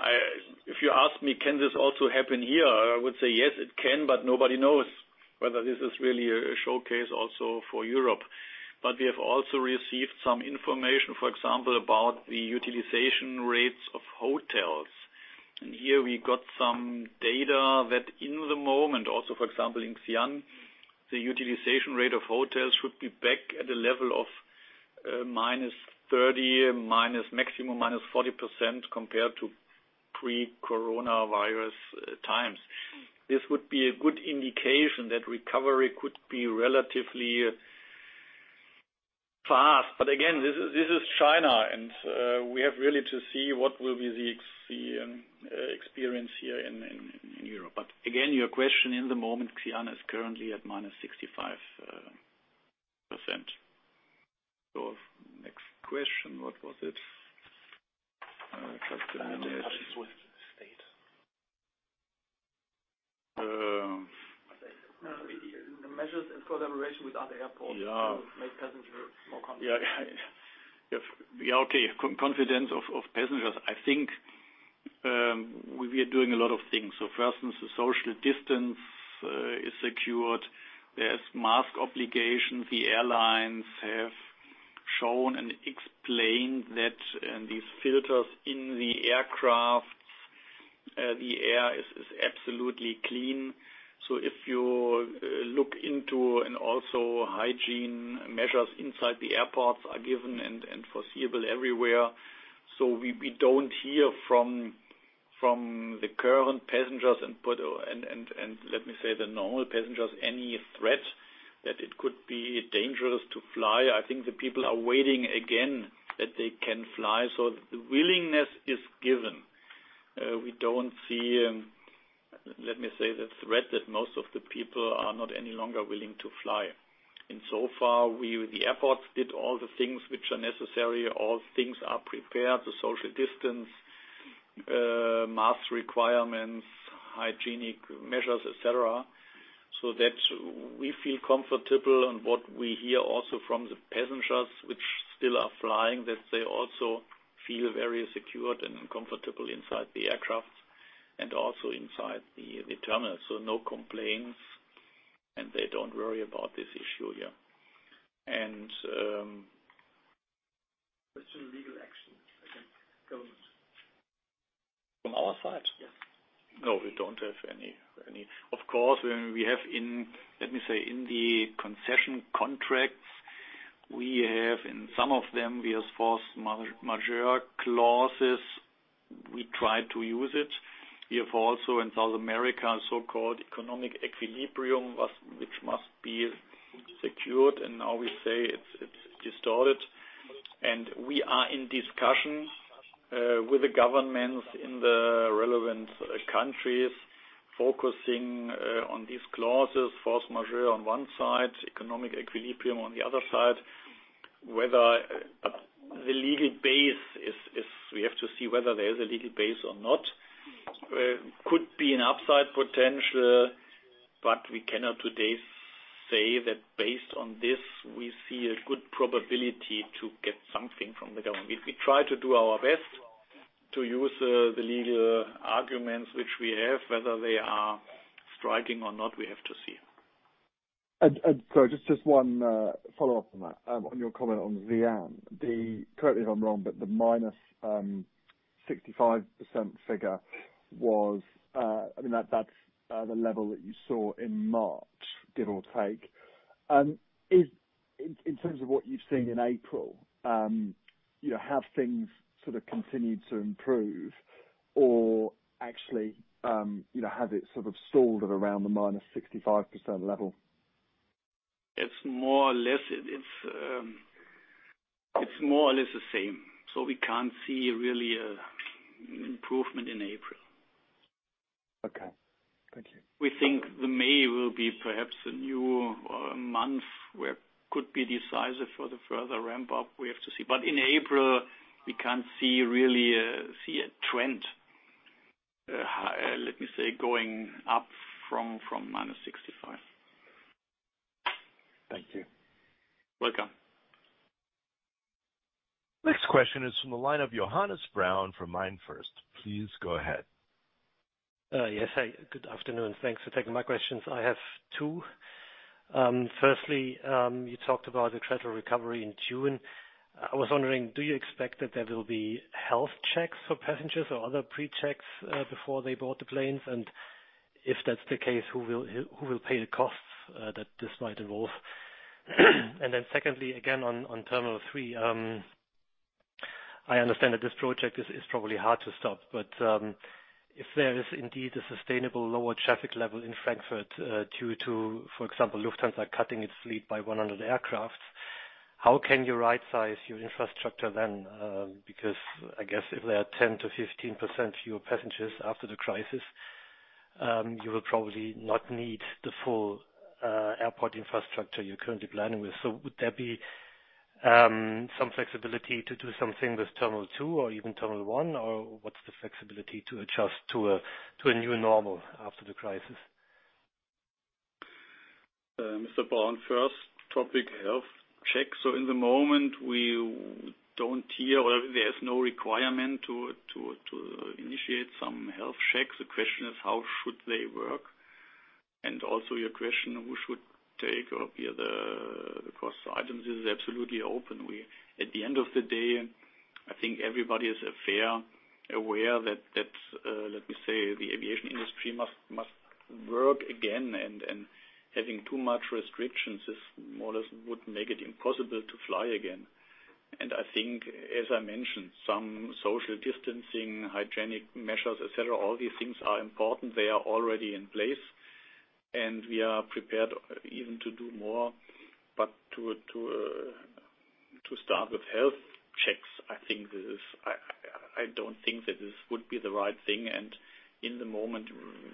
if you ask me, can this also happen here, I would say yes, it can, but nobody knows whether this is really a showcase also for Europe. But we have also received some information, for example, about the utilization rates of hotels. And here we got some data that in the moment, also, for example, in Xi'an, the utilization rate of hotels should be back at a level of -30, maximum -40% compared to pre-coronavirus times. This would be a good indication that recovery could be relatively fast. But again, this is China, and we have really to see what will be the experience here in Europe. But again, your question in the moment, Xi'an is currently at minus 65%. So next question, what was it? Just a minute. How does Credit Suisse state? The measures in collaboration with other airports to make passengers more confident. Yeah. Yeah. Okay. Confidence of passengers. I think we are doing a lot of things. So first, the social distance is secured. There is mask obligation. The airlines have shown and explained that these filters in the aircraft, the air is absolutely clean. So if you look into and also hygiene measures inside the airports are given and foreseeable everywhere. So we don't hear from the current passengers and, let me say, the normal passengers any threat that it could be dangerous to fly. I think the people are waiting again that they can fly, so the willingness is given. We don't see, let me say, the threat that most of the people are not any longer willing to fly. In so far, the airports did all the things which are necessary. All things are prepared, the social distance, mask requirements, hygienic measures, etc., so that we feel comfortable, and what we hear also from the passengers which still are flying that they also feel very secured and comfortable inside the aircraft and also inside the terminal, so no complaints, and they don't worry about this issue here. What's your legal action, I think, government? From our side? Yes. No, we don't have any. Of course, when we have, let me say, in the concession contracts, we have in some of them, we have force majeure clauses. We tried to use it. We have also in South America so-called economic equilibrium, which must be secured. Now we say it's distorted. We are in discussion with the governments in the relevant countries focusing on these clauses, force majeure on one side, economic equilibrium on the other side. The legal basis is we have to see whether there is a legal basis or not. Could be an upside potential, but we cannot today say that based on this, we see a good probability to get something from the government. We try to do our best to use the legal arguments which we have. Whether they are striking or not, we have to see. Sorry, just one follow-up on your comment on Xi'an. Correct me if I'm wrong, but the -65% figure was I mean, that's the level that you saw in March, give or take. In terms of what you've seen in April, have things sort of continued to improve or actually have it sort of stalled at around the -65% level? It's more or less it's more or less the same. So we can't see really an improvement in April. Okay. Thank you. We think the May will be perhaps a new month where it could be decisive for the further ramp up. We have to see. But in April, we can't see really a trend, let me say, going up from -65. Thank you. You're welcome. Next question is from the line of Johannes Braun from MainFirst. Please go ahead. Yes. Hi. Good afternoon. Thanks for taking my questions. I have two. Firstly, you talked about the travel recovery in June. I was wondering, do you expect that there will be health checks for passengers or other pre-checks before they board the planes? And if that's the case, who will pay the costs that this might involve? And then secondly, again, on Terminal 3, I understand that this project is probably hard to stop. But if there is indeed a sustainable lower traffic level in Frankfurt due to, for example, Lufthansa cutting its fleet by 100 aircraft, how can you right-size your infrastructure then? Because I guess if there are 10%-15% fewer passengers after the crisis, you will probably not need the full airport infrastructure you're currently planning with. So would there be some flexibility to do something with Terminal 2 or even Terminal 1? Or what's the flexibility to adjust to a new normal after the crisis? Mr. Braun, first topic, health checks. So at the moment, we don't hear or there is no requirement to initiate some health checks. The question is, how should they work? And also your question, who should take or be the cost items? This is absolutely open. At the end of the day, I think everybody is aware that, let me say, the aviation industry must work again. And having too much restrictions is more or less would make it impossible to fly again. And I think, as I mentioned, some social distancing, hygienic measures, etc., all these things are important. They are already in place. And we are prepared even to do more. But to start with health checks, I think this is. I don't think that this would be the right thing. And at the moment,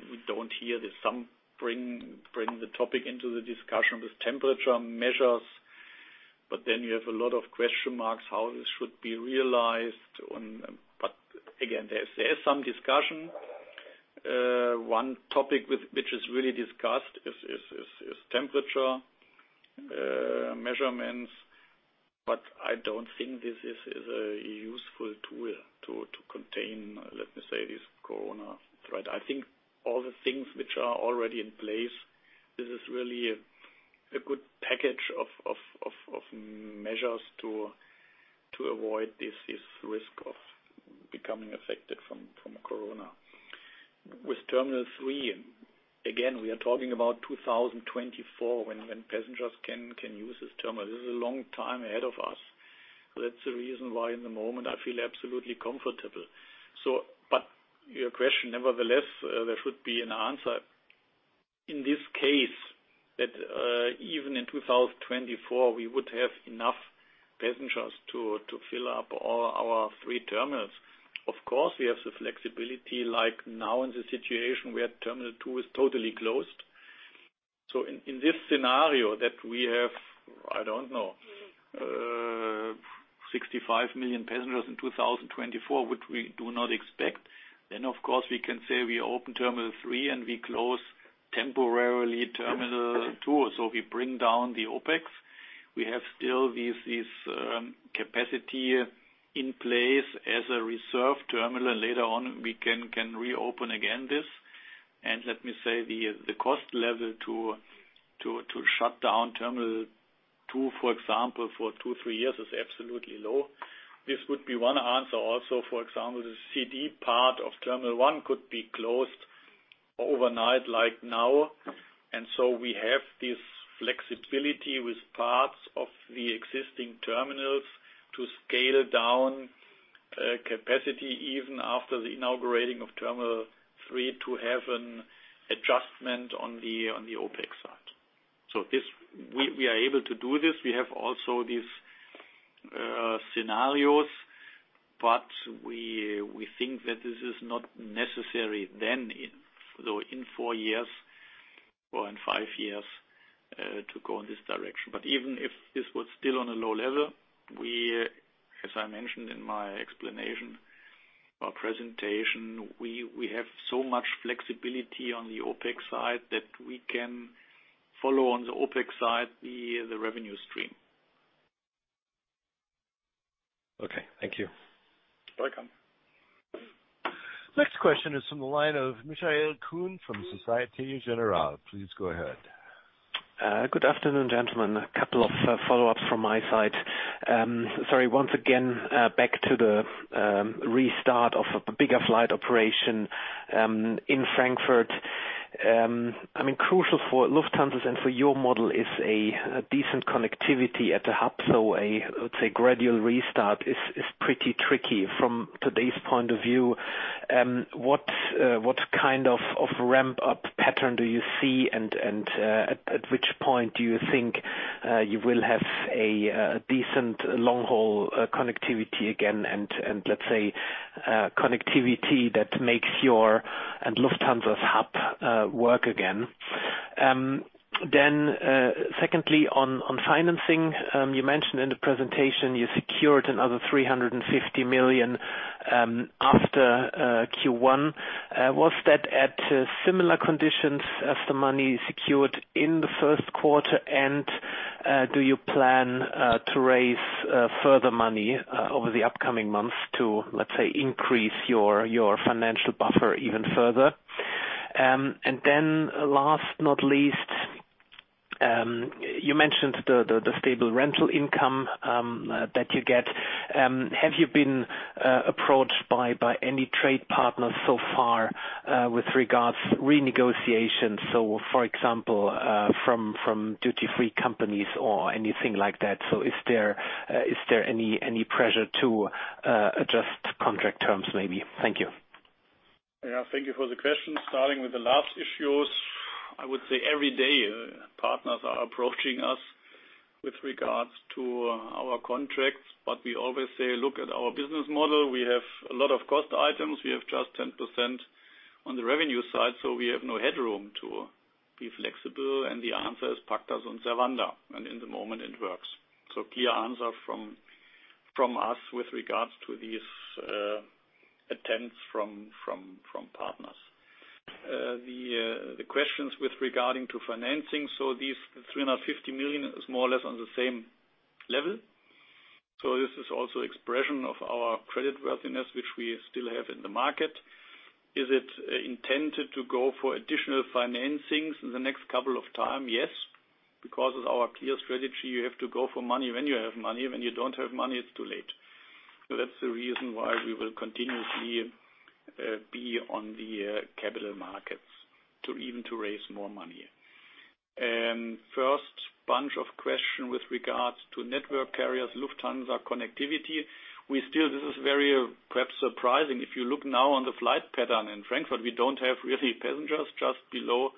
we don't hear that some bring the topic into the discussion with temperature measures. But then you have a lot of question marks how this should be realized. But again, there is some discussion. One topic which is really discussed is temperature measurements. But I don't think this is a useful tool to contain, let me say, this corona threat. I think all the things which are already in place, this is really a good package of measures to avoid this risk of becoming affected from corona. With Terminal 3, again, we are talking about 2024 when passengers can use this terminal. This is a long time ahead of us. That's the reason why in the moment, I feel absolutely comfortable. But your question, nevertheless, there should be an answer. In this case, that even in 2024, we would have enough passengers to fill up all our three terminals. Of course, we have the flexibility like now in the situation where Terminal 2 is totally closed. So in this scenario that we have, I don't know, 65 million passengers in 2024, which we do not expect, then of course, we can say we open Terminal 3 and we close temporarily Terminal 2. So we bring down the OpEx. We have still this capacity in place as a reserve terminal. And later on, we can reopen again this. And let me say the cost level to shut down Terminal 2, for example, for two, three years is absolutely low. This would be one answer. Also, for example, the C/D part of Terminal 1 could be closed overnight like now. And so we have this flexibility with parts of the existing terminals to scale down capacity even after the inauguration of Terminal 3 to have an adjustment on the OpEx side. So we are able to do this. We have also these scenarios. But we think that this is not necessary then, though, in four years or in five years to go in this direction. But even if this was still on a low level, as I mentioned in my explanation, our presentation, we have so much flexibility on the OpEx side that we can follow on the OpEx side the revenue stream. Okay. Thank you. You're welcome. Next question is from the line of Michael Kuhn from Société Générale. Please go ahead. Good afternoon, gentlemen. A couple of follow-ups from my side. Sorry, once again, back to the restart of a bigger flight operation in Frankfurt. I mean, crucial for Lufthansa and for your model is a decent connectivity at the hub. So I would say gradual restart is pretty tricky from today's point of view. What kind of ramp-up pattern do you see? And at which point do you think you will have a decent long-haul connectivity again and, let's say, connectivity that makes your and Lufthansa's hub work again? Then secondly, on financing, you mentioned in the presentation you secured another 350 million after Q1. Was that at similar conditions as the money secured in the first quarter? And do you plan to raise further money over the upcoming months to, let's say, increase your financial buffer even further? And then last but not least, you mentioned the stable rental income that you get. Have you been approached by any trade partners so far with regards to renegotiations? So for example, from duty-free companies or anything like that. So is there any pressure to adjust contract terms maybe? Thank you. Yeah. Thank you for the question. Starting with the last issues, I would say every day, partners are approaching us with regard to our contracts. But we always say, "Look at our business model. We have a lot of cost items. We have just 10% on the revenue side. So we have no headroom to be flexible." And the answer is Pacta sunt servanda. And at the moment, it works. So clear answer from us with regard to these attempts from partners. The questions with regard to financing. So these 350 million is more or less on the same level. So this is also an expression of our creditworthiness, which we still have in the market. Is it intended to go for additional financings in the next couple of times? Yes. Because of our clear strategy, you have to go for money when you have money. When you don't have money, it's too late. So that's the reason why we will continuously be on the capital markets to even raise more money. First bunch of questions with regards to network carriers, Lufthansa connectivity. This is very perhaps surprising. If you look now on the flight pattern in Frankfurt, we don't have really passengers just below.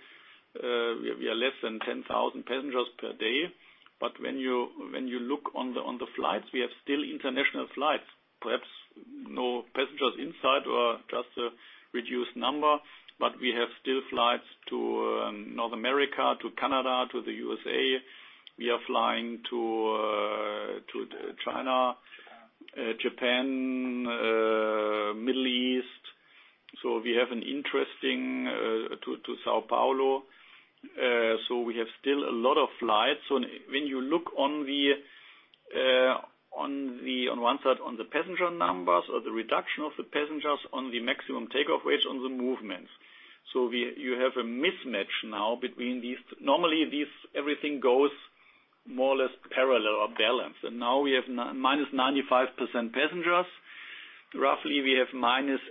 We are less than 10,000 passengers per day. But when you look on the flights, we have still international flights. Perhaps no passengers inside or just a reduced number. But we have still flights to North America, to Canada, to the USA. We are flying to China, Japan, Middle East. So we have an interesting to São Paulo. So we have still a lot of flights. So when you look on the one side, on the passenger numbers or the reduction of the passengers on the maximum take-off weight on the movements. So you have a mismatch now between these. Normally, everything goes more or less parallel or balanced. And now we have minus 95% passengers. Roughly, we have minus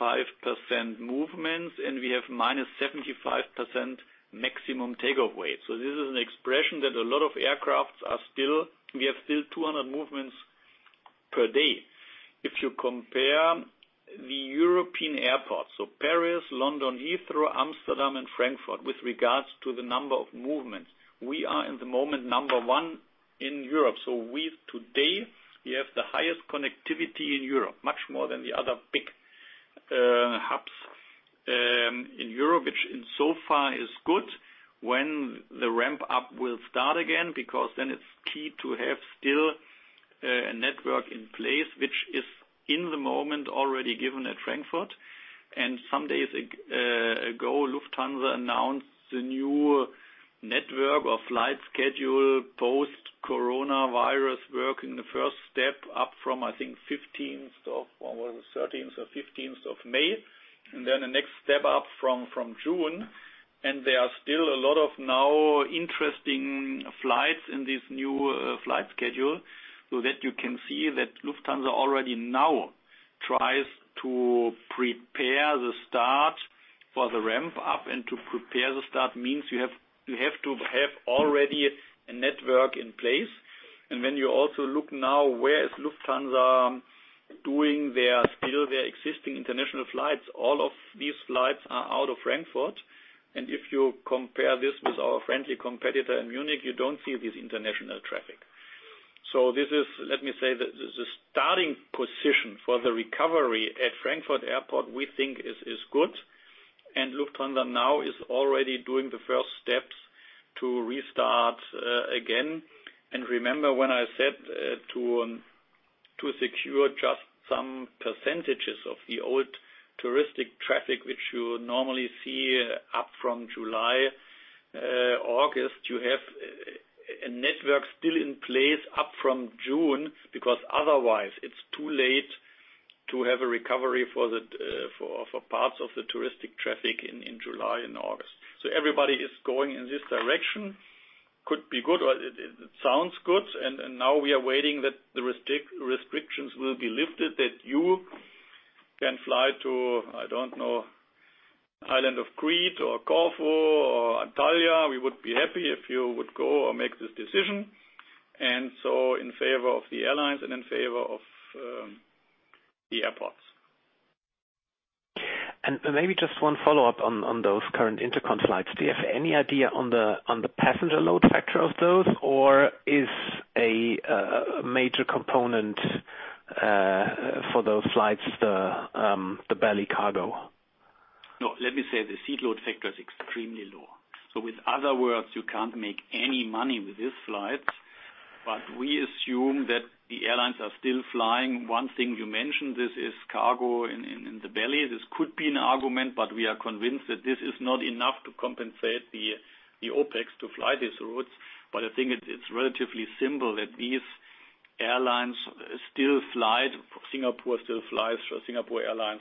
85% movements. And we have minus 75% maximum take-off weight. So this is an expression that a lot of aircraft are still. We have still 200 movements per day. If you compare the European airports, so Paris, London, Heathrow, Amsterdam, and Frankfurt with regards to the number of movements, we are in the moment number one in Europe. So today, we have the highest connectivity in Europe, much more than the other big hubs in Europe, which in so far is good when the ramp-up will start again. Because then it is key to have still a network in place, which is in the moment already given at Frankfurt. And some days ago, Lufthansa announced the new network or flight schedule post-coronavirus, working the first step up from, I think, 15th or 13th or 15th of May. And then the next step up from June. And there are still a lot of now interesting flights in this new flight schedule. So that you can see that Lufthansa already now tries to prepare the start for the ramp-up. And to prepare the start means you have to have already a network in place. And when you also look now, where is Lufthansa doing their still existing international flights? All of these flights are out of Frankfurt. And if you compare this with our friendly competitor in Munich, you don't see this international traffic. So this is, let me say, the starting position for the recovery at Frankfurt Airport, we think is good. And Lufthansa now is already doing the first steps to restart again. And remember when I said to secure just some percentages of the old touristic traffic, which you normally see up from July, August. You have a network still in place up from June. Because otherwise, it's too late to have a recovery for parts of the touristic traffic in July and August. So everybody is going in this direction. Could be good. It sounds good. And now we are waiting that the restrictions will be lifted, that you can fly to, I don't know, island of Crete or Corfu or Antalya. We would be happy if you would go or make this decision. And so in favor of the airlines and in favor of the airports. And maybe just one follow-up on those current intercon flights. Do you have any idea on the passenger load factor of those? Or is a major component for those flights the belly cargo? No. Let me say the seat load factor is extremely low. So in other words, you can't make any money with these flights. But we assume that the airlines are still flying. One thing you mentioned, this is cargo in the belly. This could be an argument. But we are convinced that this is not enough to compensate the OpEx to fly these routes. But I think it's relatively simple that these airlines still fly. Singapore Airlines still flies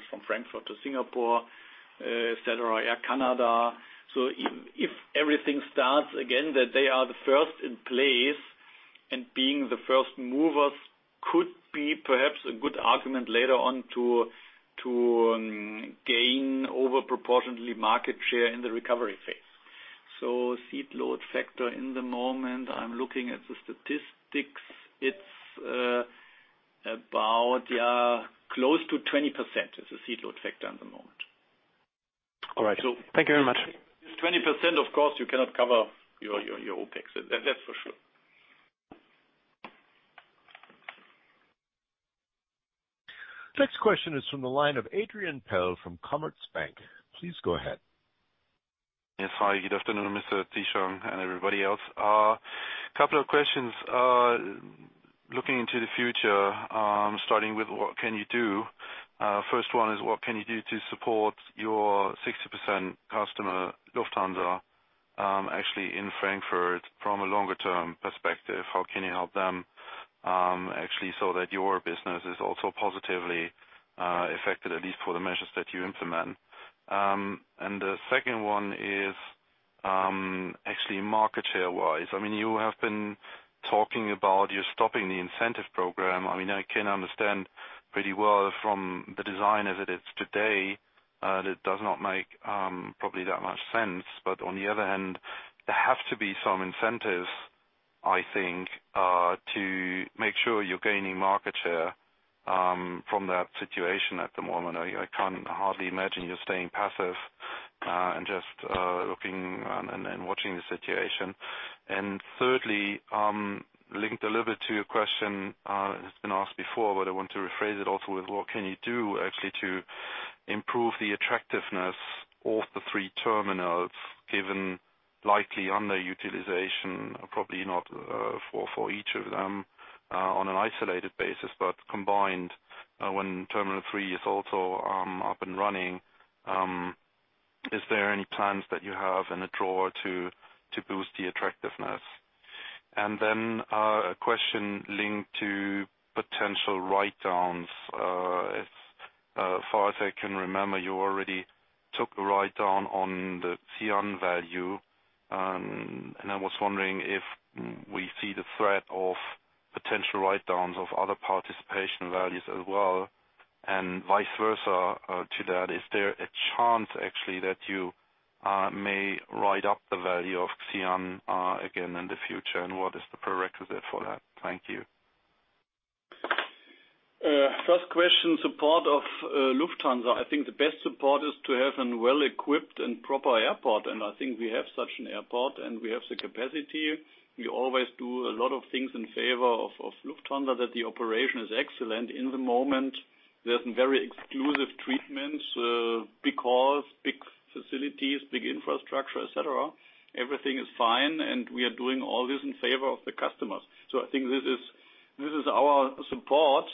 from Frankfurt to Singapore, etc., Air Canada. So if everything starts again, that they are the first in place and being the first movers could be perhaps a good argument later on to gain over proportionately market share in the recovery phase. So seat load factor in the moment, I'm looking at the statistics. It's about close to 20% is the seat load factor at the moment. All right. Thank you very much. 20%, of course, you cannot cover your OpEx. That's for sure. Next question is from the line of Adrian Pehl from Commerzbank. Please go ahead. Yes, hi. Good afternoon, Mr. Zieschang and everybody else. A couple of questions looking into the future, starting with what can you do. First one is, what can you do to support your 60% customer, Lufthansa, actually in Frankfurt from a longer-term perspective? How can you help them actually so that your business is also positively affected, at least for the measures that you implement? And the second one is actually market share-wise. I mean, you have been talking about you're stopping the incentive program. I mean, I can understand pretty well from the design as it is today that it does not make probably that much sense. But on the other hand, there have to be some incentives, I think, to make sure you're gaining market share from that situation at the moment. I can't hardly imagine you're staying passive and just looking and watching the situation. And thirdly, linked a little bit to your question, it's been asked before, but I want to rephrase it also with what can you do actually to improve the attractiveness of the three terminals given likely underutilization, probably not for each of them on an isolated basis, but combined when Terminal 3 is also up and running. Is there any plans that you have in order to boost the attractiveness? And then a question linked to potential write-downs. As far as I can remember, you already took a write-down on the Xi'an value. And I was wondering if we see the threat of potential write-downs of other participation values as well and vice versa to that. Is there a chance actually that you may write up the value of Xi'an again in the future? And what is the prerequisite for that? Thank you. First question, support of Lufthansa. I think the best support is to have a well-equipped and proper airport. And I think we have such an airport. And we have the capacity. We always do a lot of things in favor of Lufthansa that the operation is excellent in the moment. There's a very exclusive treatment because big facilities, big infrastructure, etc., everything is fine. And we are doing all this in favor of the customers. So I think this is our support.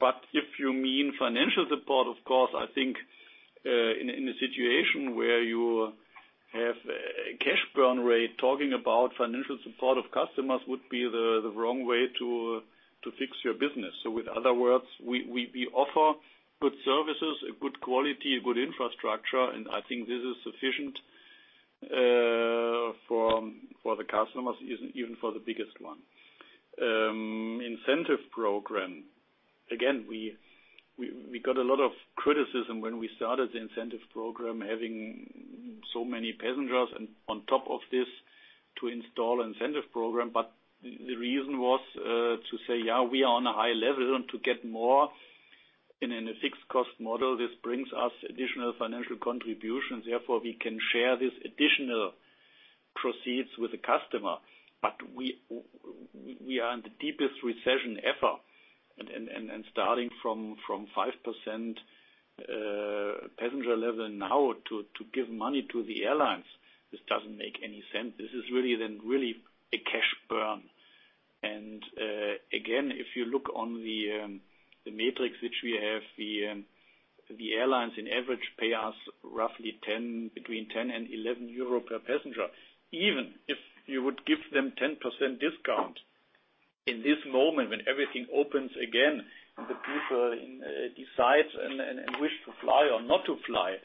But if you mean financial support, of course, I think in a situation where you have a cash burn rate, talking about financial support of customers would be the wrong way to fix your business. So with other words, we offer good services, a good quality, a good infrastructure. And I think this is sufficient for the customers, even for the biggest one. Incentive program. Again, we got a lot of criticism when we started the incentive program, having so many passengers. And on top of this, to install an incentive program. But the reason was to say, "Yeah, we are on a high level and to get more in a fixed-cost model, this brings us additional financial contributions. Therefore, we can share this additional proceeds with the customer." But we are in the deepest recession ever. Starting from 5% passenger level now to give money to the airlines, this doesn't make any sense. This is really then really a cash burn. Again, if you look on the matrix which we have, the airlines on average pay us roughly between 10 and 11 euro per passenger. Even if you would give them 10% discount in this moment when everything opens again and the people decide and wish to fly or not to fly,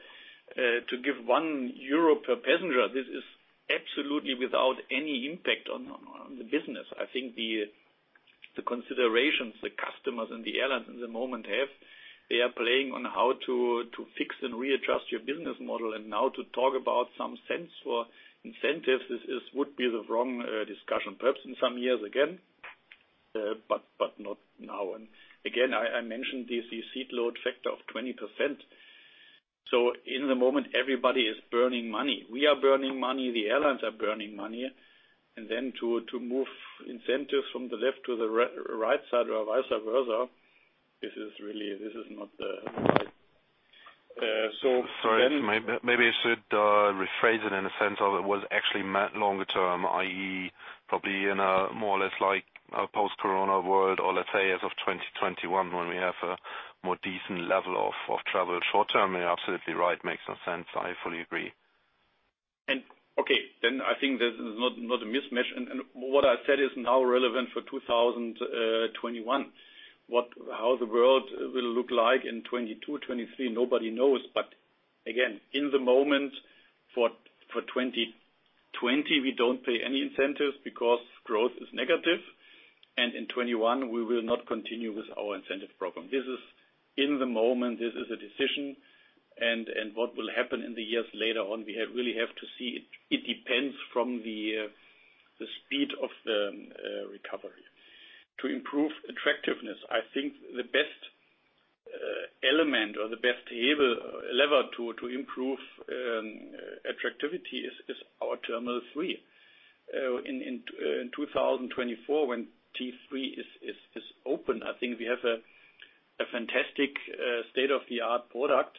to give 1 euro per passenger, this is absolutely without any impact on the business. I think the considerations the customers and the airlines in the moment have, they are playing on how to fix and readjust your business model and now to talk about some sense for incentives. This would be the wrong discussion. Perhaps in some years again, but not now. And again, I mentioned the seat load factor of 20%. So in the moment, everybody is burning money. We are burning money. The airlines are burning money. And then to move incentives from the left to the right side or vice versa, this is really not the right. Sorry. Maybe I should rephrase it in the sense of it was actually longer-term, i.e., probably in a more or less like a post-corona world or let's say as of 2021 when we have a more decent level of travel. Short-term, you're absolutely right. Makes no sense. I fully agree. And okay. Then I think this is not a mismatch. And what I said is now relevant for 2021. How the world will look like in 2022, 2023, nobody knows. But again, in the moment, for 2020, we don't pay any incentives because growth is negative. In 2021, we will not continue with our incentive program. This is in the moment. This is a decision. What will happen in the years later on, we really have to see. It depends from the speed of the recovery. To improve attractiveness, I think the best element or the best lever to improve attractivity is our Terminal 3. In 2024, when T3 is open, I think we have a fantastic state-of-the-art product.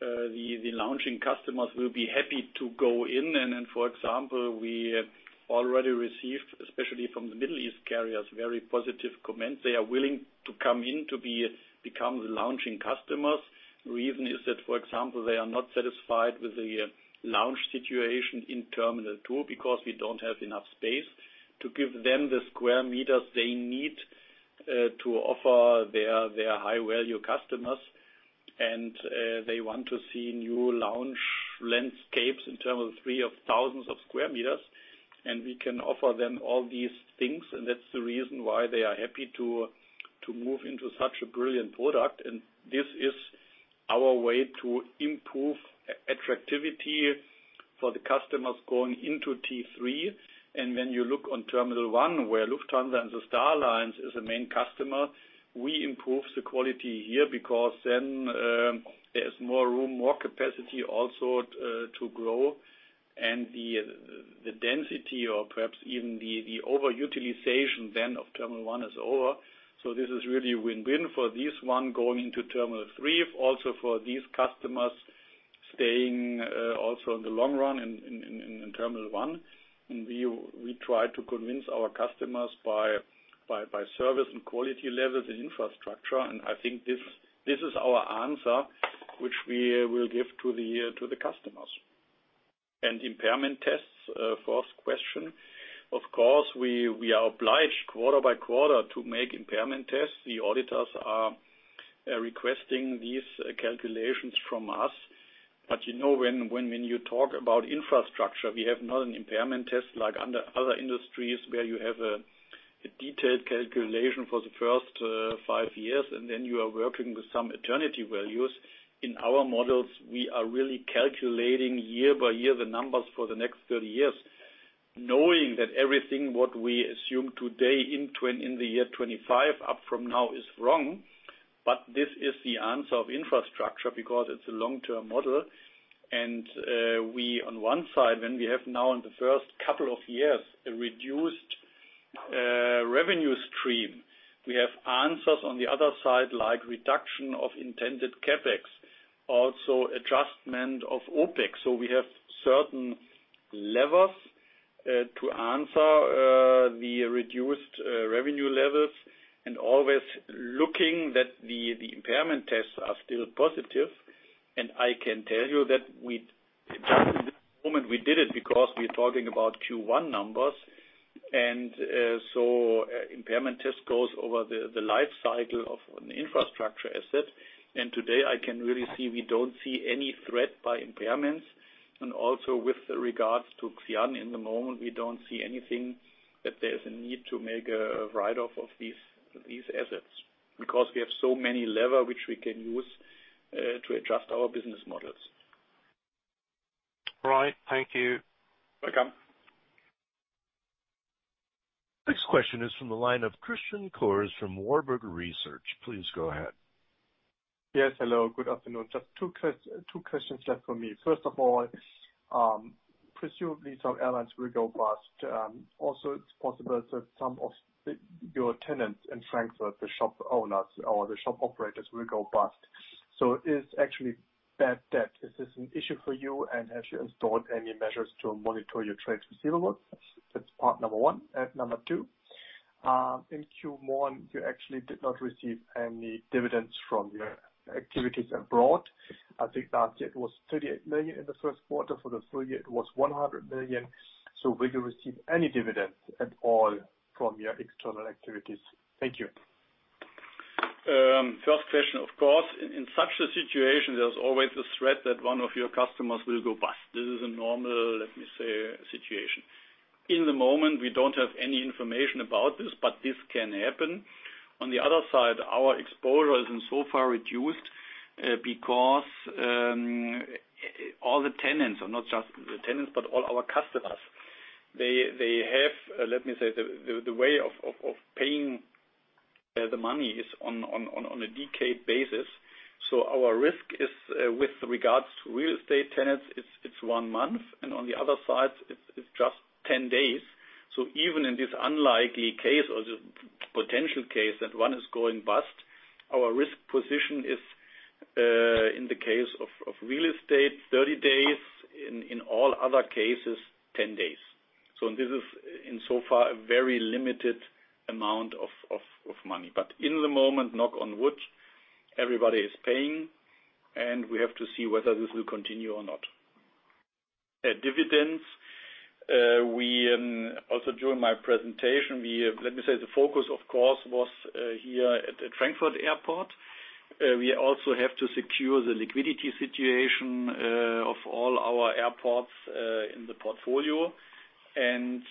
The launching customers will be happy to go in. Then, for example, we already received, especially from the Middle East carriers, very positive comments. They are willing to come in to become the launching customers. The reason is that, for example, they are not satisfied with the launch situation in Terminal 2 because we don't have enough space to give them the square meters they need to offer their high-value customers. And they want to see new launch landscapes in Terminal 3 of thousands of square meters. And we can offer them all these things. And that's the reason why they are happy to move into such a brilliant product. And this is our way to improve attractivity for the customers going into T3. And when you look on Terminal 1, where Lufthansa and the Star Alliance is a main customer, we improve the quality here because then there is more room, more capacity also to grow. And the density or perhaps even the overutilization then of Terminal 1 is over. So this is really a win-win for this one going into Terminal 3, also for these customers staying also in the long run in Terminal 1. And we try to convince our customers by service and quality levels and infrastructure. I think this is our answer which we will give to the customers. Impairment tests, first question. Of course, we are obliged quarter by quarter to make impairment tests. The auditors are requesting these calculations from us. But when you talk about infrastructure, we have not an impairment test like under other industries where you have a detailed calculation for the first five years and then you are working with some eternity values. In our models, we are really calculating year by year the numbers for the next 30 years, knowing that everything what we assume today into and in the year 2025 up from now is wrong. This is the answer of infrastructure because it's a long-term model. And on one side, when we have now in the first couple of years a reduced revenue stream, we have answers on the other side like reduction of intended CapEx, also adjustment of OpEx. So we have certain levers to answer the reduced revenue levels and always looking that the impairment tests are still positive. And I can tell you that just in this moment, we did it because we are talking about Q1 numbers. And so impairment tests goes over the lifecycle of an infrastructure asset. And today, I can really see we don't see any threat by impairments. And also with regards to Xi'an in the moment, we don't see anything that there is a need to make a write-off of these assets because we have so many levers which we can use to adjust our business models. All right. Thank you. Welcome. Next question is from the line of Christian Cohrs from Warburg Research. Please go ahead. Yes. Hello. Good afternoon. Just two questions left for me. First of all, presumably some airlines will go bust. Also, it's possible that some of your tenants in Frankfurt, the shop owners or the shop operators, will go bust. So, is bad debt actually an issue for you? And have you installed any measures to monitor your trade receivables? That's part number one. Number two, in Q1, you actually did not receive any dividends from your activities abroad. I think last year it was 38 million in the first quarter. For the full year, it was 100 million. So, will you receive any dividends at all from your external activities? Thank you. First question, of course. In such a situation, there's always the threat that one of your customers will go bust. This is a normal, let me say, situation. In the moment, we don't have any information about this, but this can happen. On the other side, our exposure is in so far reduced because all the tenants are not just the tenants, but all our customers. They have, let me say, the way of paying the money is on a delayed basis. So our risk with regards to real estate tenants, it's one month. And on the other side, it's just 10 days. So even in this unlikely case or potential case that one is going bust, our risk position is in the case of real estate, 30 days. In all other cases, 10 days. So this is in so far a very limited amount of money. But in the moment, knock on wood, everybody is paying. And we have to see whether this will continue or not. Dividends. Also during my presentation, let me say the focus, of course, was here at Frankfurt Airport. We also have to secure the liquidity situation of all our airports in the portfolio. And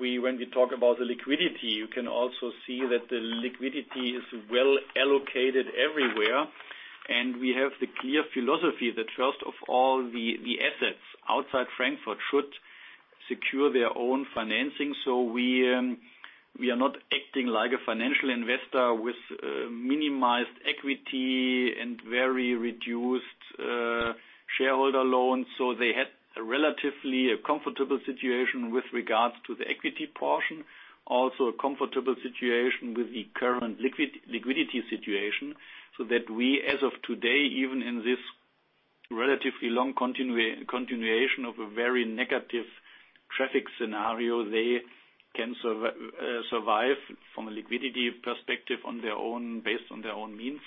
when we talk about the liquidity, you can also see that the liquidity is well allocated everywhere. And we have the clear philosophy that first of all, the assets outside Frankfurt should secure their own financing. So we are not acting like a financial investor with minimized equity and very reduced shareholder loans. So they had relatively a comfortable situation with regards to the equity portion, also a comfortable situation with the current liquidity situation so that we, as of today, even in this relatively long continuation of a very negative traffic scenario, they can survive from a liquidity perspective based on their own means.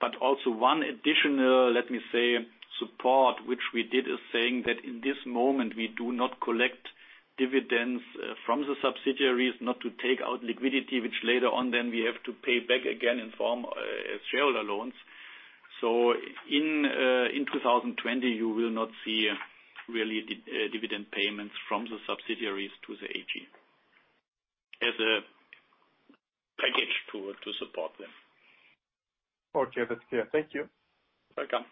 But also one additional, let me say, support which we did is saying that in this moment, we do not collect dividends from the subsidiaries not to take out liquidity, which later on then we have to pay back again in form of shareholder loans. So in 2020, you will not see really dividend payments from the subsidiaries to the AG as a package to support them. Okay. That's clear. Thank you. Welcome.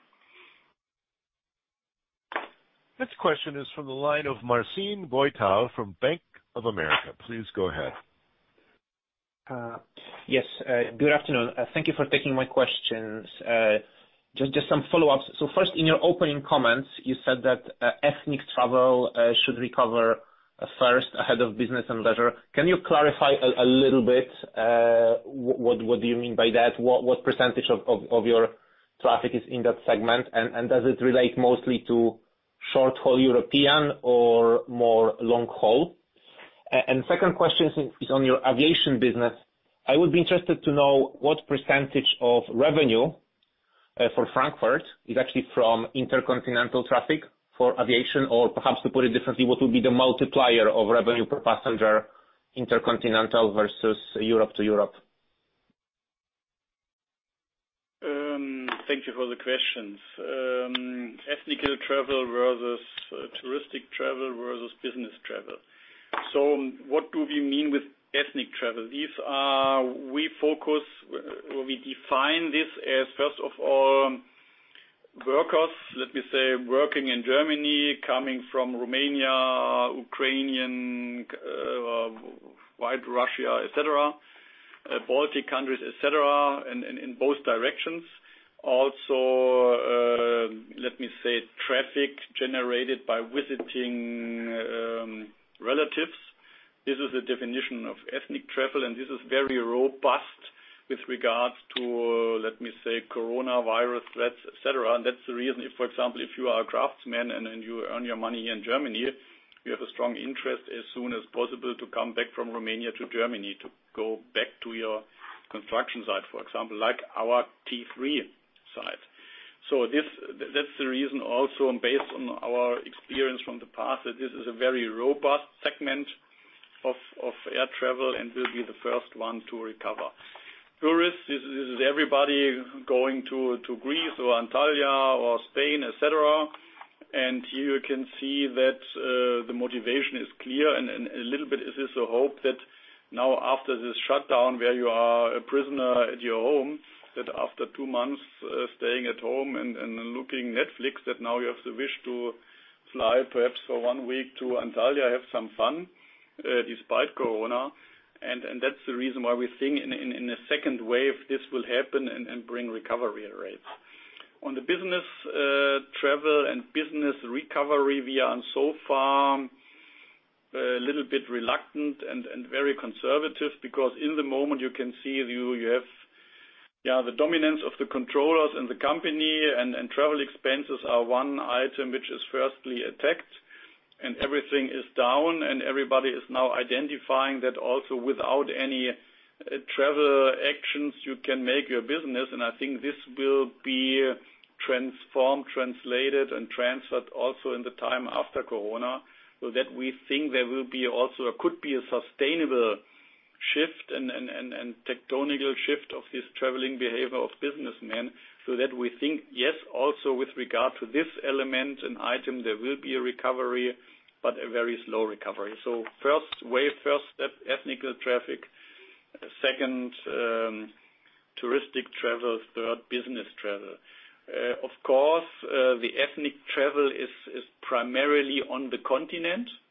Next question is from the line of Marcin Wojtal from Bank of America. Please go ahead. Yes. Good afternoon. Thank you for taking my questions. Just some follow-ups. So first, in your opening comments, you said that ethnic travel should recover first ahead of business and leisure. Can you clarify a little bit what do you mean by that? What percentage of your traffic is in that segment? Does it relate mostly to short-haul European or more long-haul? The second question is on your aviation business. I would be interested to know what percentage of revenue for Frankfurt is actually from intercontinental traffic for aviation? Or perhaps to put it differently, what would be the multiplier of revenue per passenger intercontinental versus Europe to Europe? Thank you for the questions. Ethnic travel versus touristic travel versus business travel. What do we mean with ethnic travel? We focus or we define this as, first of all, workers, let me say, working in Germany, coming from Romania, Ukraine, Belarus, etc., Baltic countries, etc., in both directions. Also, let me say, traffic generated by visiting relatives. This is a definition of ethnic travel. And this is very robust with regards to, let me say, coronavirus threats, etc. That's the reason if, for example, you are a craftsman and you earn your money in Germany, you have a strong interest as soon as possible to come back from Romania to Germany to go back to your construction site, for example, like our T3 site. That's the reason also based on our experience from the past that this is a very robust segment of air travel and will be the first one to recover. Tourists, this is everybody going to Greece or Antalya or Spain, etc. Here you can see that the motivation is clear. A little bit is this a hope that now after this shutdown where you are a prisoner at your home, that after two months staying at home and looking Netflix, that now you have the wish to fly perhaps for one week to Antalya, have some fun despite corona. That's the reason why we think in a second wave this will happen and bring recovery rates. On the business travel and business recovery, we are in so far a little bit reluctant and very conservative because in the moment, you can see you have the dominance of the controllers in the company. And travel expenses are one item which is firstly attacked. And everything is down. And everybody is now identifying that also without any travel actions, you can make your business. And I think this will be transformed, translated, and transferred also in the time after corona so that we think there will be also or could be a sustainable shift and tectonic shift of this traveling behavior of businessmen so that we think, yes, also with regard to this element and item, there will be a recovery, but a very slow recovery. So first wave, first step, ethnic traffic. Second, touristic travel. Third, business travel. Of course, the ethnic travel is primarily on the continent, so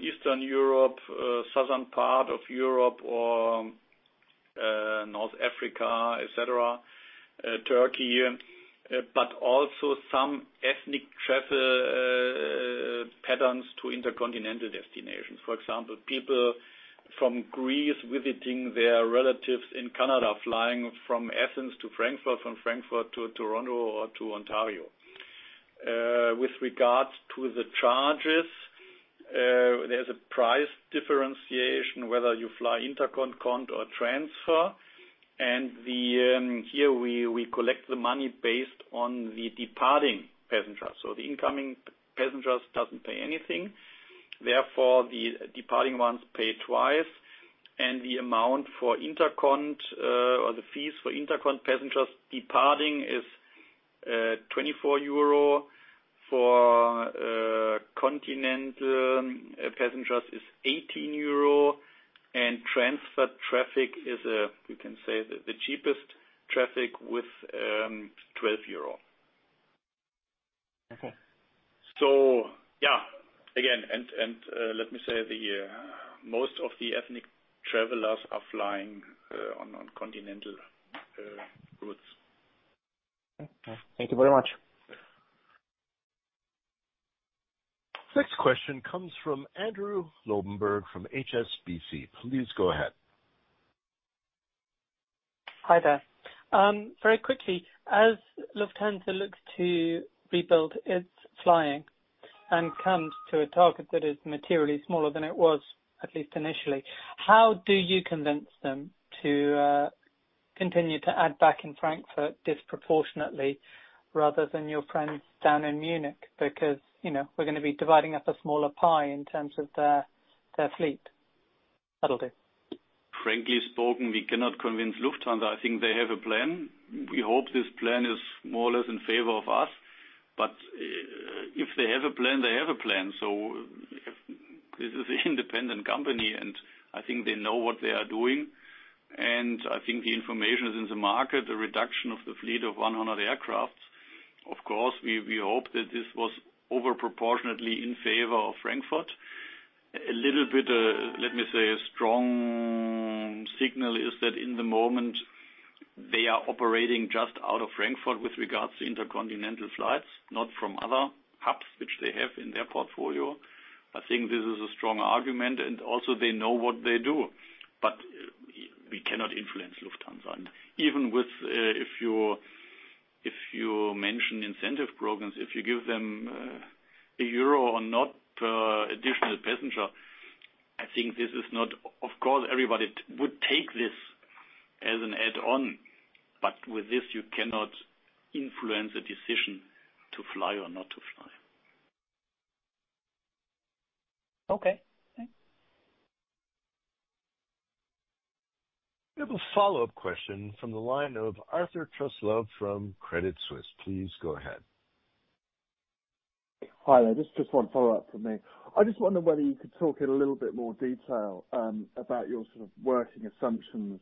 Eastern Europe, southern part of Europe or North Africa, etc., Turkey, but also some ethnic travel patterns to intercontinental destinations. For example, people from Greece visiting their relatives in Canada, flying from Athens to Frankfurt, from Frankfurt to Toronto or to Ontario. With regards to the charges, there's a price differentiation whether you fly intercontinental or transfer. And here we collect the money based on the departing passengers. So the incoming passengers doesn't pay anything. Therefore, the departing ones pay twice. And the amount for intercontinental or the fees for intercontinental passengers departing is 24 euro. For continental passengers, it is 18 euro. And transfer traffic is, we can say, the cheapest traffic with 12 euro. So yeah, again, and let me say most of the ethnic travelers are flying on continental routes. Okay. Thank you very much. Next question comes from Andrew Lobbenberg from HSBC. Please go ahead. Hi there. Very quickly, as Lufthansa looks to rebuild its flying and comes to a target that is materially smaller than it was, at least initially, how do you convince them to continue to add back in Frankfurt disproportionately rather than your friends down in Munich? Because we're going to be dividing up a smaller pie in terms of their fleet. That'll do. Frankly spoken, we cannot convince Lufthansa. I think they have a plan. We hope this plan is more or less in favor of us. But if they have a plan, they have a plan. So this is an independent company. And I think they know what they are doing. I think the information is in the market, the reduction of the fleet of 100 aircraft. Of course, we hope that this was overproportionately in favor of Frankfurt. A little bit, let me say, a strong signal is that in the moment, they are operating just out of Frankfurt with regards to intercontinental flights, not from other hubs which they have in their portfolio. I think this is a strong argument. Also, they know what they do. But we cannot influence Lufthansa. Even if you mention incentive programs, if you give them EUR 1 or not per additional passenger, I think this is not of course, everybody would take this as an add-on. But with this, you cannot influence a decision to fly or not to fly. Okay. Thanks. We have a follow-up question from the line of Arthur Truslove from Credit Suisse. Please go ahead. Hi. This is just one follow-up from me. I just wondered whether you could talk in a little bit more detail about your sort of working assumptions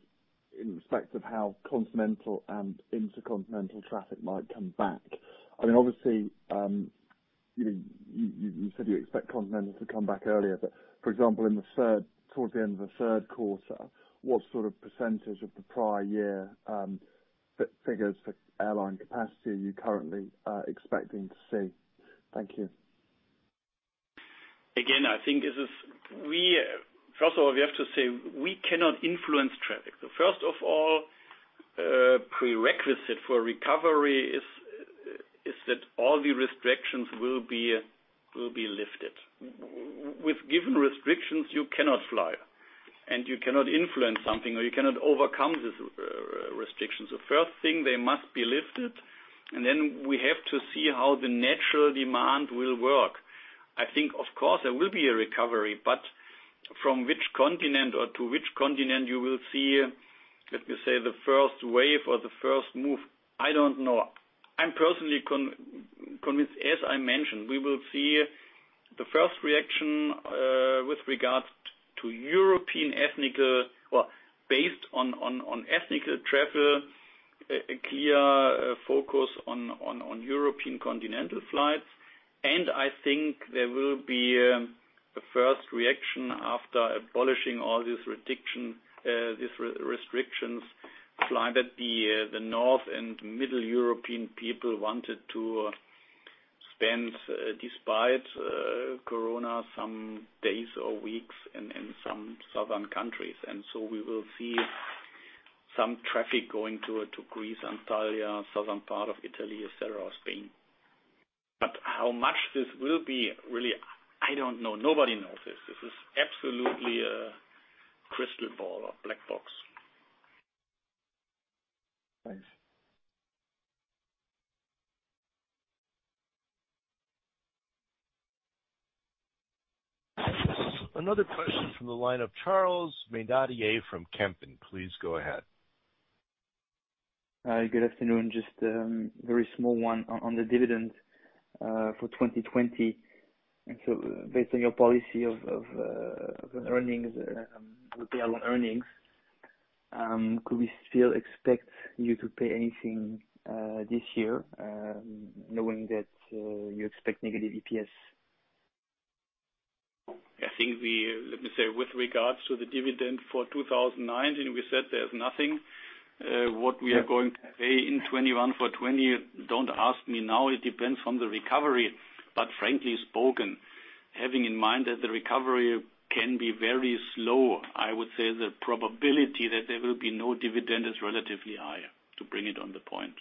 in respect of how continental and intercontinental traffic might come back. I mean, obviously, you said you expect continental to come back earlier. But for example, towards the end of the third quarter, what sort of % of the prior year figures for airline capacity are you currently expecting to see? Thank you. Again, I think this is first of all, we have to say we cannot influence traffic. So first of all, prerequisite for recovery is that all the restrictions will be lifted. With given restrictions, you cannot fly. And you cannot influence something or you cannot overcome these restrictions. The first thing, they must be lifted. And then we have to see how the natural demand will work. I think, of course, there will be a recovery, but from which continent or to which continent you will see, let me say, the first wave or the first move, I don't know. I'm personally convinced, as I mentioned, we will see the first reaction with regards to European ethnic or based on ethnic travel, a clear focus on European continental flights, and I think there will be a first reaction after abolishing all these restrictions that the North and Middle European people wanted to spend, despite corona, some days or weeks in some southern countries, and so we will see some traffic going to Greece, Antalya, southern part of Italy, etc., or Spain, but how much this will be, really, I don't know. Nobody knows this. This is absolutely a crystal ball or black box. Thanks. Another question from the line of Charles Maynadier from Kempen & Co. Please go ahead. Hi. Good afternoon. Just a very small one on the dividend for 2020, and so based on your policy of payout on earnings, could we still expect you to pay anything this year knowing that you expect negative EPS? I think, let me say, with regards to the dividend for 2019, we said there's nothing. What we are going to pay in 2021 for 2020, don't ask me now. It depends from the recovery, but frankly spoken, having in mind that the recovery can be very slow, I would say the probability that there will be no dividend is relatively high, to bring it on the point.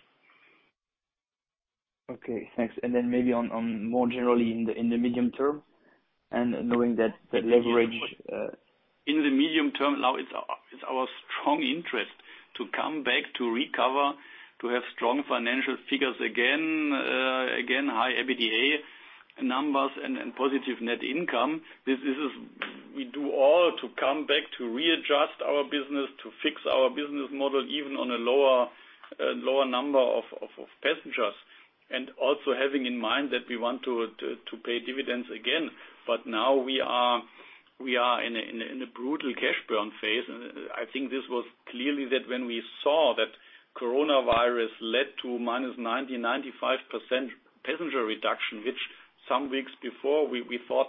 Okay. Thanks, and then maybe more generally in the medium term and knowing that leverage. In the medium term, now it's our strong interest to come back, to recover, to have strong financial figures again, again, high EBITDA numbers and positive net income. This is what we do all to come back, to readjust our business, to fix our business model even on a lower number of passengers. And also having in mind that we want to pay dividends again. But now we are in a brutal cash burn phase. And I think this was clearly that when we saw that coronavirus led to minus 90%-95% passenger reduction, which some weeks before we thought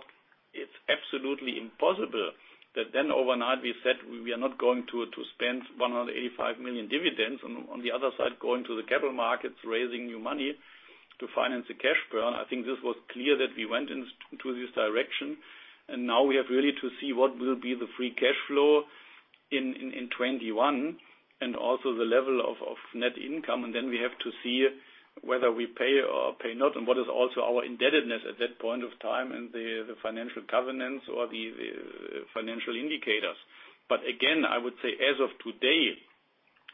it's absolutely impossible, that then overnight we said we are not going to spend 185 million dividends and on the other side going to the capital markets, raising new money to finance the cash burn. I think this was clear that we went into this direction. And now we have really to see what will be the free cash flow in 2021 and also the level of net income. And then we have to see whether we pay or pay not and what is also our indebtedness at that point of time and the financial covenants or the financial indicators. But again, I would say as of today,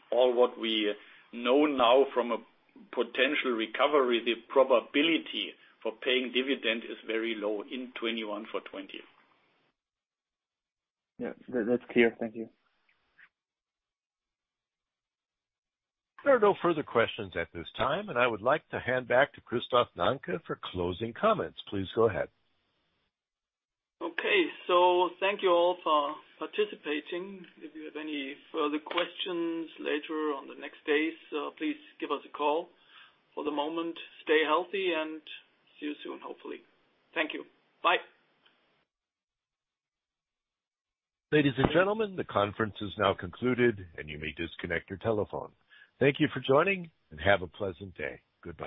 all what we know now from a potential recovery, the probability for paying dividend is very low in 2021 for 2020. Yeah. That's clear. Thank you. There are no further questions at this time. I would like to hand back to Christoph Nanke for closing comments. Please go ahead. Okay. So thank you all for participating. If you have any further questions later on the next days, please give us a call. For the moment, stay healthy and see you soon, hopefully. Thank you. Bye. Ladies and gentlemen, the conference is now concluded, and you may disconnect your telephone. Thank you for joining, and have a pleasant day. Good.